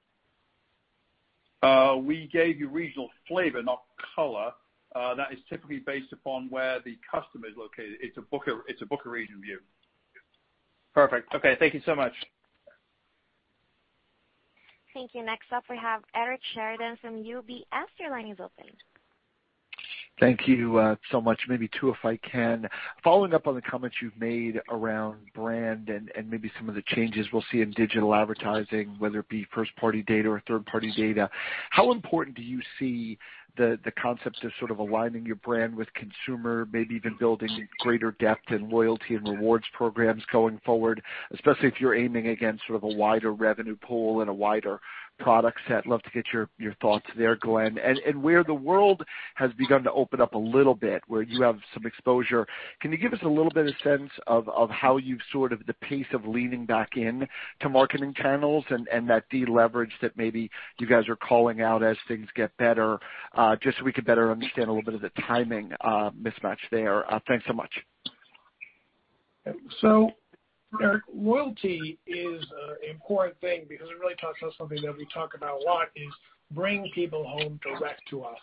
We gave you regional flavor, not color. That is typically based upon where the customer is located. It's a booker region view. Perfect. Okay, thank you so much. Thank you. Next up, we have Eric Sheridan from UBS. Your line is open. Thank you so much. Maybe two, if I can. Following up on the comments you've made around brand and maybe some of the changes we'll see in digital advertising, whether it be first-party data or third-party data, how important do you see the concepts of sort of aligning your brand with consumer, maybe even building greater depth in loyalty and rewards programs going forward, especially if you're aiming against sort of a wider revenue pool and a wider product set? Love to get your thoughts there, Glenn. Where the world has begun to open up a little bit, where you have some exposure, can you give us a little bit of sense of how you sort of the pace of leaning back in to marketing channels and that deleverage that maybe you guys are calling out as things get better, just so we could better understand a little bit of the timing mismatch there. Thanks so much. Eric, loyalty is an important thing because it really touches on something that we talk about a lot, is bringing people home direct to us.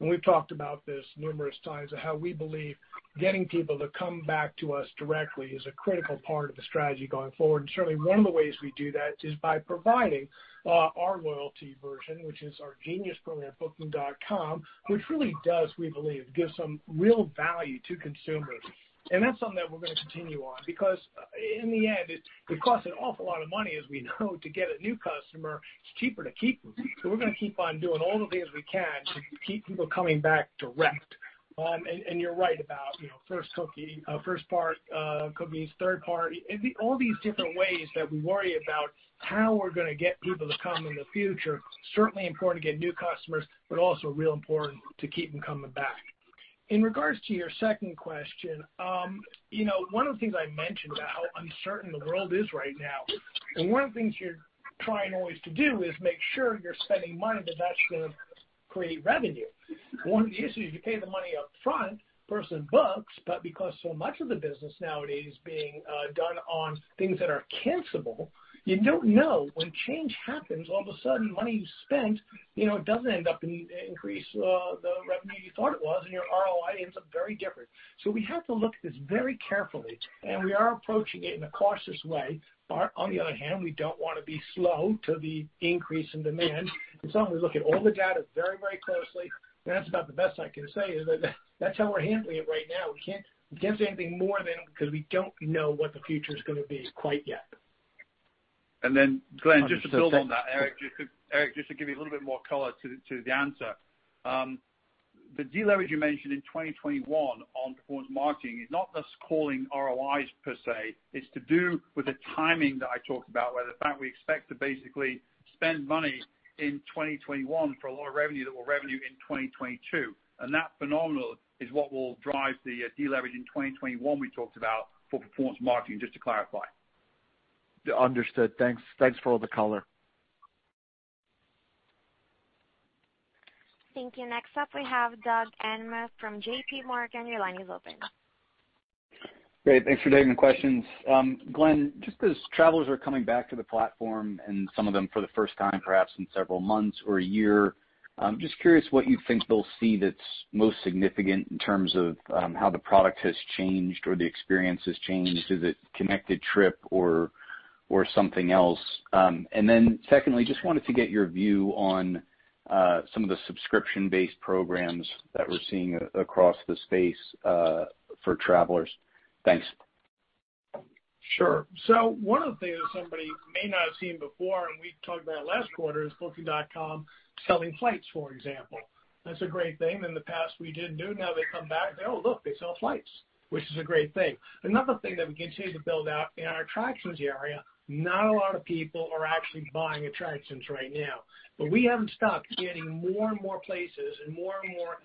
We've talked about this numerous times, of how we believe getting people to come back to us directly is a critical part of the strategy going forward. Certainly, one of the ways we do that is by providing our loyalty version, which is our Genius program, Booking.com, which really does, we believe, give some real value to consumers. That's something that we're going to continue on because in the end, it costs an awful lot of money, as we know, to get a new customer. It's cheaper to keep them. We're going to keep on doing all the things we can to keep people coming back direct. You're right about first party cookies, third party, all these different ways that we worry about how we're going to get people to come in the future. Certainly important to get new customers, but also real important to keep them coming back. In regards to your second question, one of the things I mentioned about how uncertain the world is right now, and one of the things you're trying always to do is make sure you're spending money that's going to create revenue. One of the issues, you pay the money up front, person books, but because so much of the business nowadays being done on things that are cancelable, you don't know when change happens, all of a sudden, money you spent, it doesn't end up increase the revenue you thought it was, and your ROI ends up very different. We have to look at this very carefully, and we are approaching it in a cautious way. On the other hand, we don't want to be slow to the increase in demand. I'm going to look at all the data very closely, and that's about the best I can say, is that that's how we're handling it right now. We can't say anything more than because we don't know what the future's going to be quite yet. Glenn, just to build on that, Eric, just to give you a little bit more color to the answer. The deleverage you mentioned in 2021 on performance marketing is not us calling ROIs per se. It's to do with the timing that I talked about, where the fact we expect to basically spend money in 2021 for a lot of revenue that will revenue in 2022. That phenomenon is what will drive the deleverage in 2021 we talked about for performance marketing, just to clarify. Understood. Thanks. Thanks for all the color. Thank you. Next up, we have Doug Anmuth from J.P. Morgan. Your line is open. Great. Thanks for taking the questions. Glenn, just as travelers are coming back to the platform, and some of them for the first time, perhaps in several months or a year, I'm just curious what you think they'll see that's most significant in terms of how the product has changed or the experience has changed. Is it Connected Trip or something else? Secondly, just wanted to get your view on some of the subscription-based programs that we're seeing across the space for travelers. Thanks. Sure. One of the things that somebody may not have seen before, and we talked about it last quarter, is Booking.com selling flights, for example. That's a great thing. In the past, we didn't do. Now they come back, they, "Oh, look, they sell flights." Which is a great thing. Another thing that we continue to build out in our attractions area, not a lot of people are actually buying attractions right now. We haven't stopped getting more and more places and more and more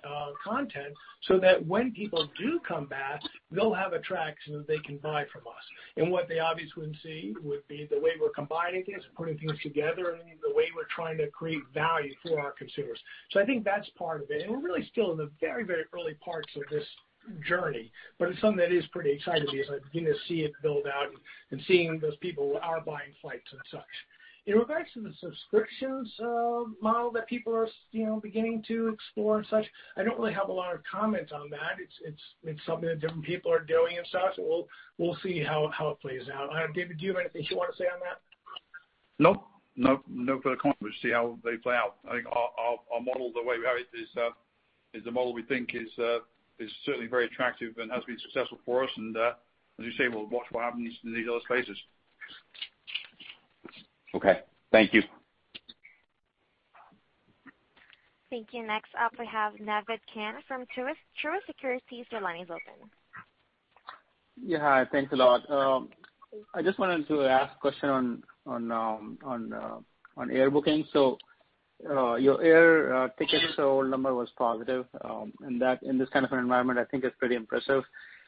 content so that when people do come back, they'll have attractions they can buy from us. What they obviously would see would be the way we're combining things, putting things together, and the way we're trying to create value for our consumers. I think that's part of it. We're really still in the very early parts of this journey, but it's something that is pretty exciting to me, is beginning to see it build out and seeing those people who are buying flights and such. In regards to the subscriptions model that people are beginning to explore and such, I don't really have a lot of comment on that. It's something that different people are doing and such, and we'll see how it plays out. David, do you have anything you want to say on that? No further comment. We'll see how they play out. I think our model, the way we have it, is the model we think is certainly very attractive and has been successful for us, and as you say, we'll watch what happens in these other spaces. Okay. Thank you. Thank you. Next up, we have Naved Khan from Truist Securities. Your line is open. Thanks a lot. I just wanted to ask a question on air booking. Your air tickets, the whole number was positive, and that in this kind of an environment, I think is pretty impressive.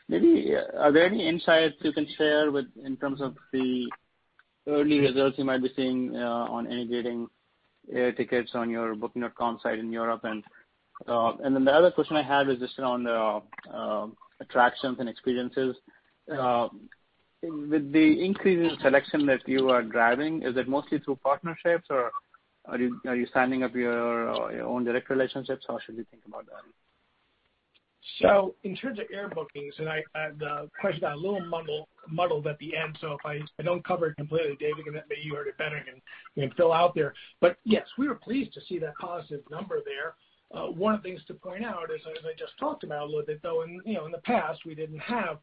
Maybe are there any insights you can share in terms of the early results you might be seeing on integrating air tickets on your Booking.com site in Europe? The other question I had is just on the attractions and experiences. With the increase in selection that you are driving, is it mostly through partnerships or are you standing up your own direct relationships, or how should we think about that? In terms of air bookings, and the question got a little muddled at the end, if I don't cover it completely, David, but you heard it better and can fill out there. Yes, we were pleased to see that positive number there. One of the things to point out, as I just talked about a little bit, though, in the past we didn't have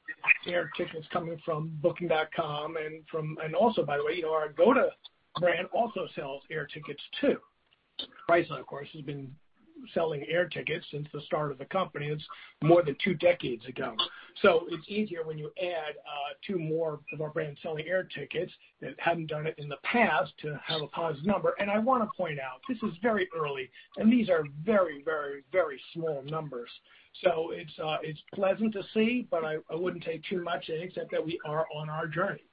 air tickets coming from Booking.com, and also, by the way, our Agoda brand also sells air tickets too. Priceline, of course, has been selling air tickets since the start of the company. It's more than two decades ago. It's easier when you add two more of our brands selling air tickets that hadn't done it in the past to have a positive number. I want to point out, this is very early, and these are very small numbers. It's pleasant to see, but I wouldn't take too much, except that we are on our journey.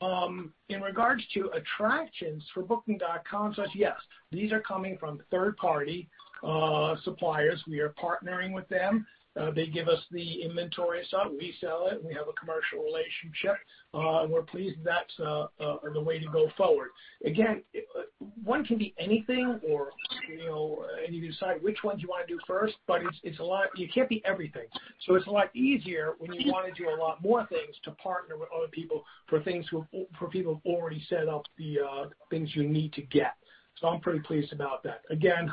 In regards to attractions for Booking.com sites, yes, these are coming from third-party suppliers. We are partnering with them. They give us the inventory, we sell it, and we have a commercial relationship. We're pleased that's the way to go forward. One can be anything, and you decide which ones you want to do first, but you can't be everything. It's a lot easier when you want to do a lot more things to partner with other people for people who've already set up the things you need to get. I'm pretty pleased about that.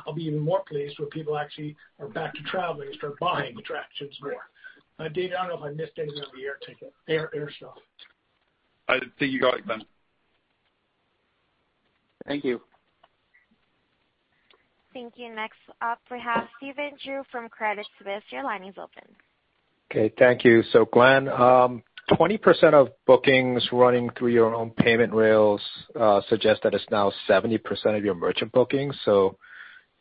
I'll be even more pleased when people actually are back to traveling and start buying attractions more. David, I don't know if I missed anything on the air ticket. Air stuff. I think you got it, Glenn. Thank you. Thank you. Next up we have Stephen Ju from Credit Suisse. Your line is open. Okay. Thank you. Glenn, 20% of bookings running through your own payment rails suggest that it's now 70% of your merchant bookings.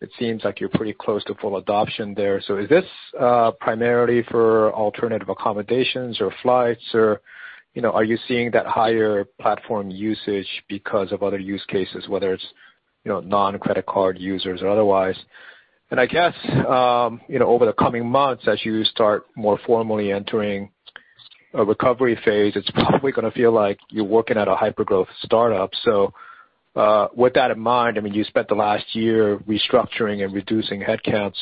It seems like you're pretty close to full adoption there. Is this primarily for alternative accommodations or flights or are you seeing that higher platform usage because of other use cases, whether it's non-credit card users or otherwise? I guess, over the coming months, as you start more formally entering a recovery phase, it's probably going to feel like you're working at a hyper-growth startup. With that in mind, you spent the last year restructuring and reducing headcount.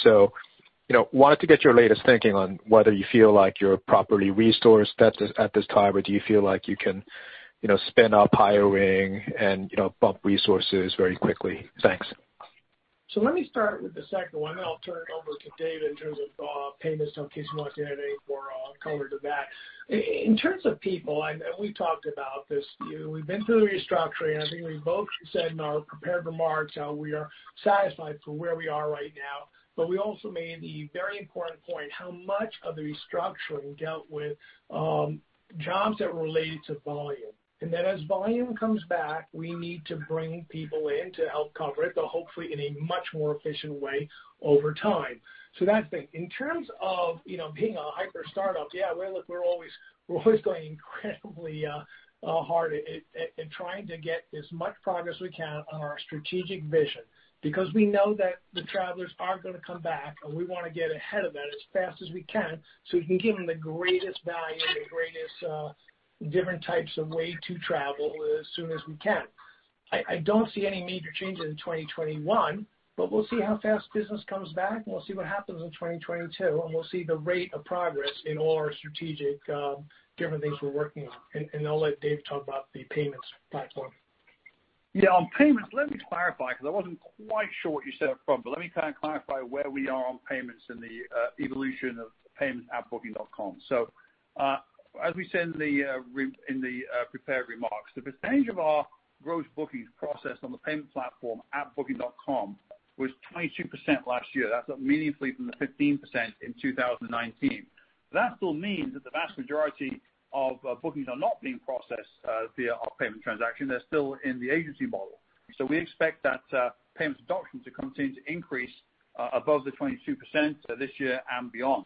Wanted to get your latest thinking on whether you feel like you're properly resourced at this time, or do you feel like you can spin up hiring and bump resources very quickly? Thanks. Let me start with the second one, then I'll turn it over to Dave in terms of payments, in case he wants to add any more color to that. In terms of people, and we talked about this, we've been through the restructuring, and I think we both said in our prepared remarks how we are satisfied with where we are right now. We also made the very important point how much of the restructuring dealt with jobs that were related to volume, and that as volume comes back, we need to bring people in to help cover it, though hopefully in a much more efficient way over time. That's it. In terms of being a hyper startup, yeah, look, we're always going incredibly hard at trying to get as much progress as we can on our strategic vision because we know that the travelers are going to come back, and we want to get ahead of that as fast as we can so we can give them the greatest value and the greatest different types of way to travel as soon as we can. I don't see any major changes in 2021. We'll see how fast business comes back. We'll see what happens in 2022. We'll see the rate of progress in all our strategic different things we're working on. I'll let Dave talk about the payments platform. Yeah, on payments, let me clarify, because I wasn't quite sure what you said up front, but let me kind of clarify where we are on payments and the evolution of payments at Booking.com. As we said in the prepared remarks, the percentage of our gross bookings processed on the payment platform at Booking.com was 22% last year. That's up meaningfully from the 15% in 2019. That still means that the vast majority of bookings are not being processed via our payment transaction. They're still in the agency model. We expect that payments adoption to continue to increase above the 22% this year and beyond.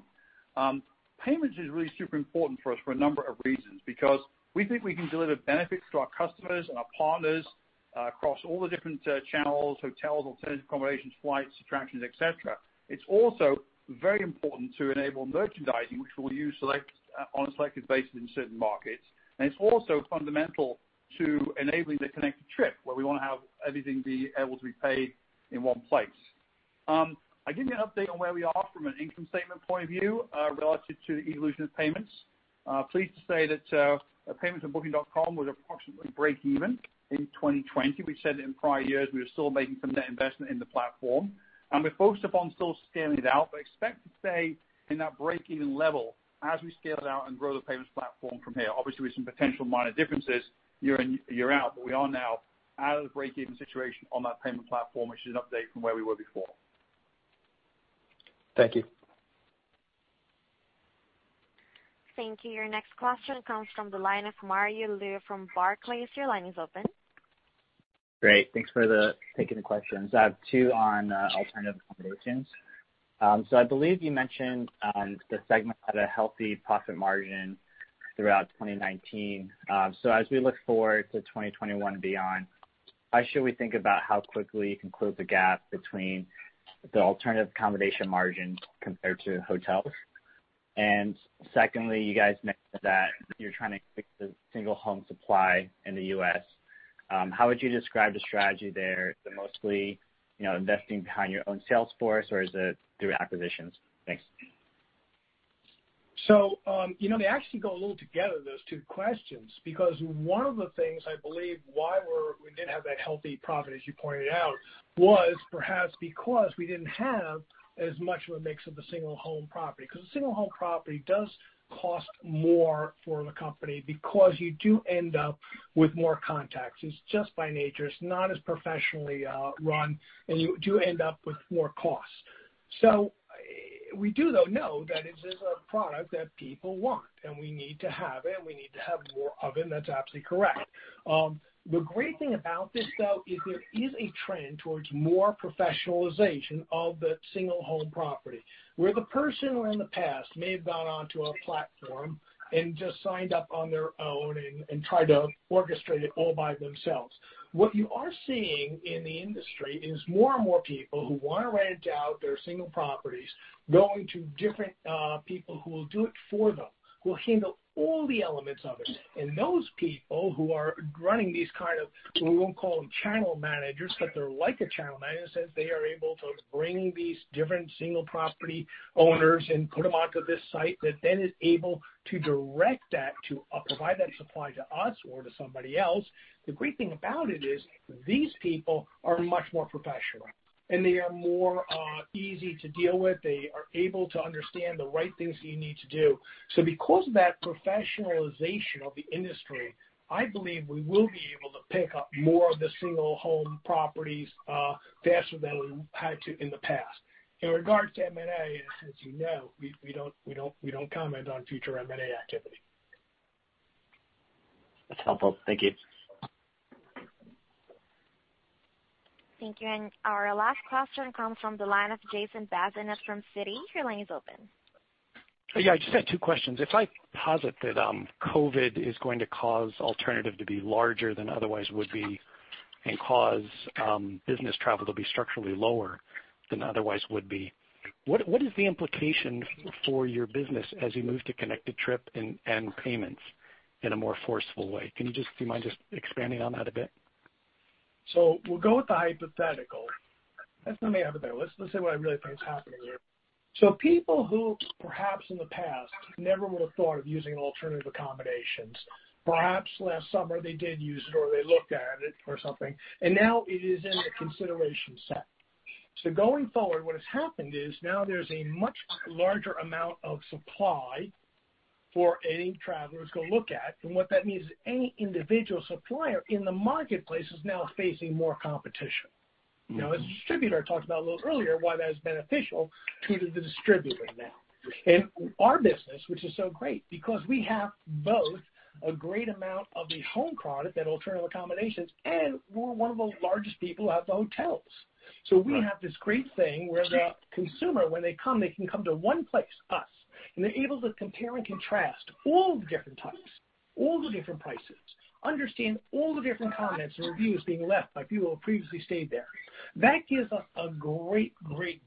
Payments is really super important for us for a number of reasons, because we think we can deliver benefits to our customers and our partners across all the different channels, hotels, alternative accommodations, flights, attractions, et cetera. It's also very important to enable merchandising, which we'll use on a selected basis in certain markets. It's also fundamental to enabling the Connected Trip, where we want to have everything be able to be paid in one place. I'll give you an update on where we are from an income statement point of view relative to the evolution of payments. Pleased to say that payments on Booking.com was approximately breakeven in 2020. We said in prior years we were still making some net investment in the platform. We're focused upon still scaling it out, but expect to stay in that breakeven level as we scale it out and grow the payments platform from here. Obviously, with some potential minor differences year in, year out, but we are now out of the breakeven situation on that payment platform, which is an update from where we were before. Thank you. Thank you. Your next question comes from the line of Mario Lu from Barclays. Your line is open. Great. Thanks for taking the questions. I have two on alternative accommodations. I believe you mentioned the segment had a healthy profit margin throughout 2019. As we look forward to 2021 and beyond, how should we think about how quickly you can close the gap between the alternative accommodation margin compared to hotels? Secondly, you guys mentioned that you're trying to fix the single home supply in the U.S. How would you describe the strategy there? Is it mostly investing behind your own sales force, or is it through acquisitions? Thanks. They actually go a little together, those two questions, because one of the things I believe why we did have that healthy profit, as you pointed out, was perhaps because we didn't have as much of a mix of the single home property. A single home property does cost more for the company because you do end up with more contacts. It's just by nature, it's not as professionally run, and you do end up with more costs. We do, though, know that it is a product that people want, and we need to have it, and we need to have more of it, and that's absolutely correct. The great thing about this, though, is there is a trend towards more professionalization of the single home property, where the person who in the past may have gone onto our platform and just signed up on their own and tried to orchestrate it all by themselves. What you are seeing in the industry is more and more people who want to rent out their single properties, going to different people who will do it for them, who will handle all the elements of it. Those people who are running these kind of, we won't call them channel managers, but they're like a channel manager since they are able to bring these different single property owners and put them onto this site that then is able to direct that to provide that supply to us or to somebody else. The great thing about it is these people are much more professional, and they are more easy to deal with. They are able to understand the right things that you need to do. Because of that professionalization of the industry, I believe we will be able to pick up more of the single home properties faster than we had to in the past. In regards to M&A, as you know, we don't comment on future M&A activity. That's helpful. Thank you. Thank you. Our last question comes from the line of Jason Bazinet from Citi. Your line is open. Yeah, I just had two questions. If I posit that COVID is going to cause alternative to be larger than otherwise would be and cause business travel to be structurally lower than otherwise would be, what is the implication for your business as you move to Connected Trip and payments in a more forceful way? Do you mind just expanding on that a bit? We'll go with the hypothetical. That's not me out there. Let's say what I really think is happening here. People who perhaps in the past never would have thought of using alternative accommodations. Perhaps last summer they did use it or they looked at it or something, and now it is in the consideration set. Going forward, what has happened is now there's a much larger amount of supply for any travelers to go look at, and what that means is any individual supplier in the marketplace is now facing more competition. A distributor, I talked about a little earlier why that is beneficial to the distributor now. Our business, which is so great because we have both a great amount of the home product, that alternative accommodations, and we're one of the largest people who have the hotels. We have this great thing where the consumer, when they come, they can come to one place, us, and they're able to compare and contrast all the different types, all the different prices, understand all the different comments and reviews being left by people who previously stayed there. That gives us a great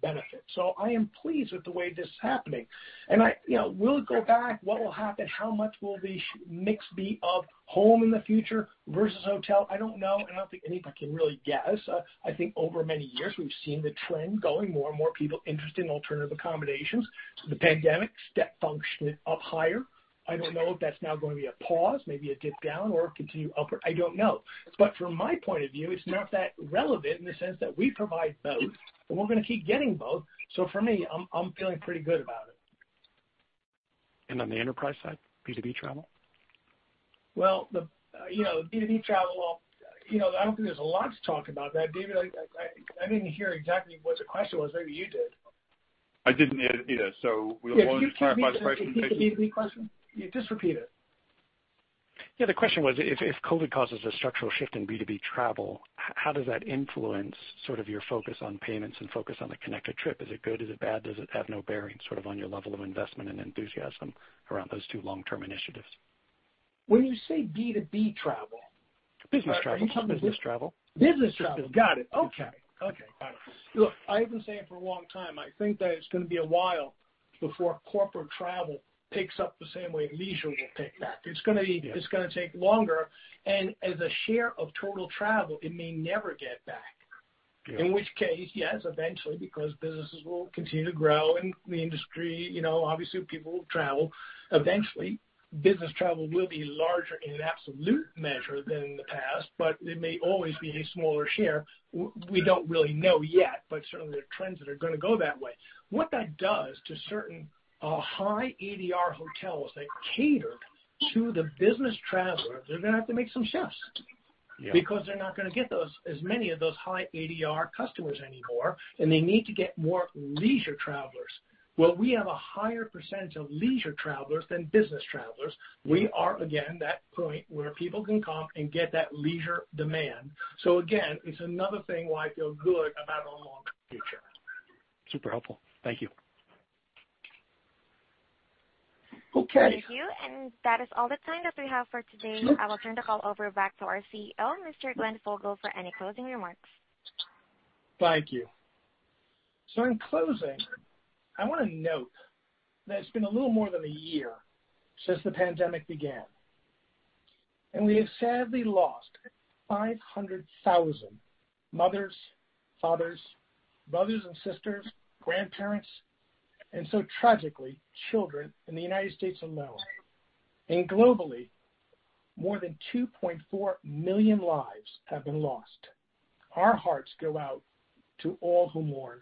benefit. I am pleased with the way this is happening. We'll go back. What will happen? How much will the mix be of home in the future versus hotel? I don't know. I don't think anybody can really guess. I think over many years, we've seen the trend going, more and more people interested in alternative accommodations. The pandemic step functioned it up higher. I don't know if that's now going to be a pause, maybe a dip down or continue upward. I don't know. From my point of view, it's not that relevant in the sense that we provide both, and we're going to keep getting both. For me, I'm feeling pretty good about it. On the enterprise side, B2B travel? Well, B2B travel, I don't think there's a lot to talk about that, David. I didn't hear exactly what the question was. Maybe you did. I didn't either. We will clarify the question. Yeah. Can you repeat the B2B question? Just repeat it. Yeah, the question was, if COVID causes a structural shift in B2B travel, how does that influence sort of your focus on payments and focus on the Connected Trip? Is it good? Is it bad? Does it have no bearing sort of on your level of investment and enthusiasm around those two long-term initiatives? When you say B2B travel. Business travel. Are you talking business? Business travel. Business travel, got it. Okay. Finally. Look, I have been saying it for a long time, I think that it's going to be a while before corporate travel picks up the same way leisure will pick back. It's going to take longer. As a share of total travel, it may never get back. Yeah. In which case, yes, eventually, because businesses will continue to grow, and the industry, obviously people will travel. Eventually, business travel will be larger in an absolute measure than in the past, but it may always be a smaller share. We don't really know yet, but certainly there are trends that are going to go that way. What that does to certain high ADR hotels that catered to the business traveler, they're going to have to make some shifts. Yeah Because they're not going to get as many of those high ADR customers anymore, and they need to get more leisure travelers. Well, we have a higher percentage of leisure travelers than business travelers. We are, again, that point where people can come and get that leisure demand. Again, it's another thing why I feel good about our long-term future. Super helpful. Thank you. Okay. Thank you. That is all the time that we have for today. Sure. I will turn the call over back to our CEO, Mr. Glenn Fogel, for any closing remarks. Thank you. In closing, I want to note that it's been a little more than a year since the pandemic began, and we have sadly lost 500,000 mothers, fathers, brothers and sisters, grandparents, and so tragically, children in the United States alone. Globally, more than 2.4 million lives have been lost. Our hearts go out to all who mourn.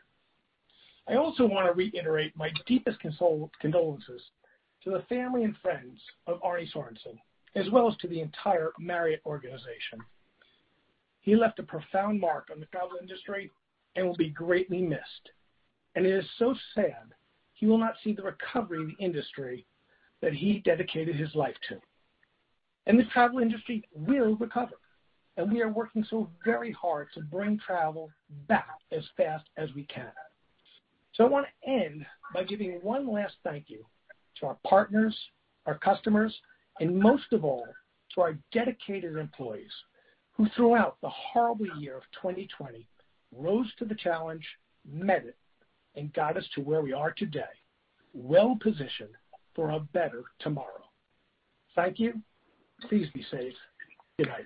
I also want to reiterate my deepest condolences to the family and friends of Arne Sorenson, as well as to the entire Marriott organization. He left a profound mark on the travel industry and will be greatly missed. It is so sad he will not see the recovery of the industry that he dedicated his life to. This travel industry will recover, and we are working so very hard to bring travel back as fast as we can. I want to end by giving one last thank you to our partners, our customers, and most of all, to our dedicated employees, who throughout the horrible year of 2020, rose to the challenge, met it, and got us to where we are today, well-positioned for a better tomorrow. Thank you. Please be safe. Good night.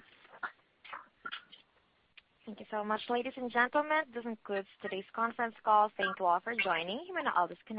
Thank you so much, ladies and gentlemen. This concludes today's conference call. Thank you all for joining. I'll disconnect.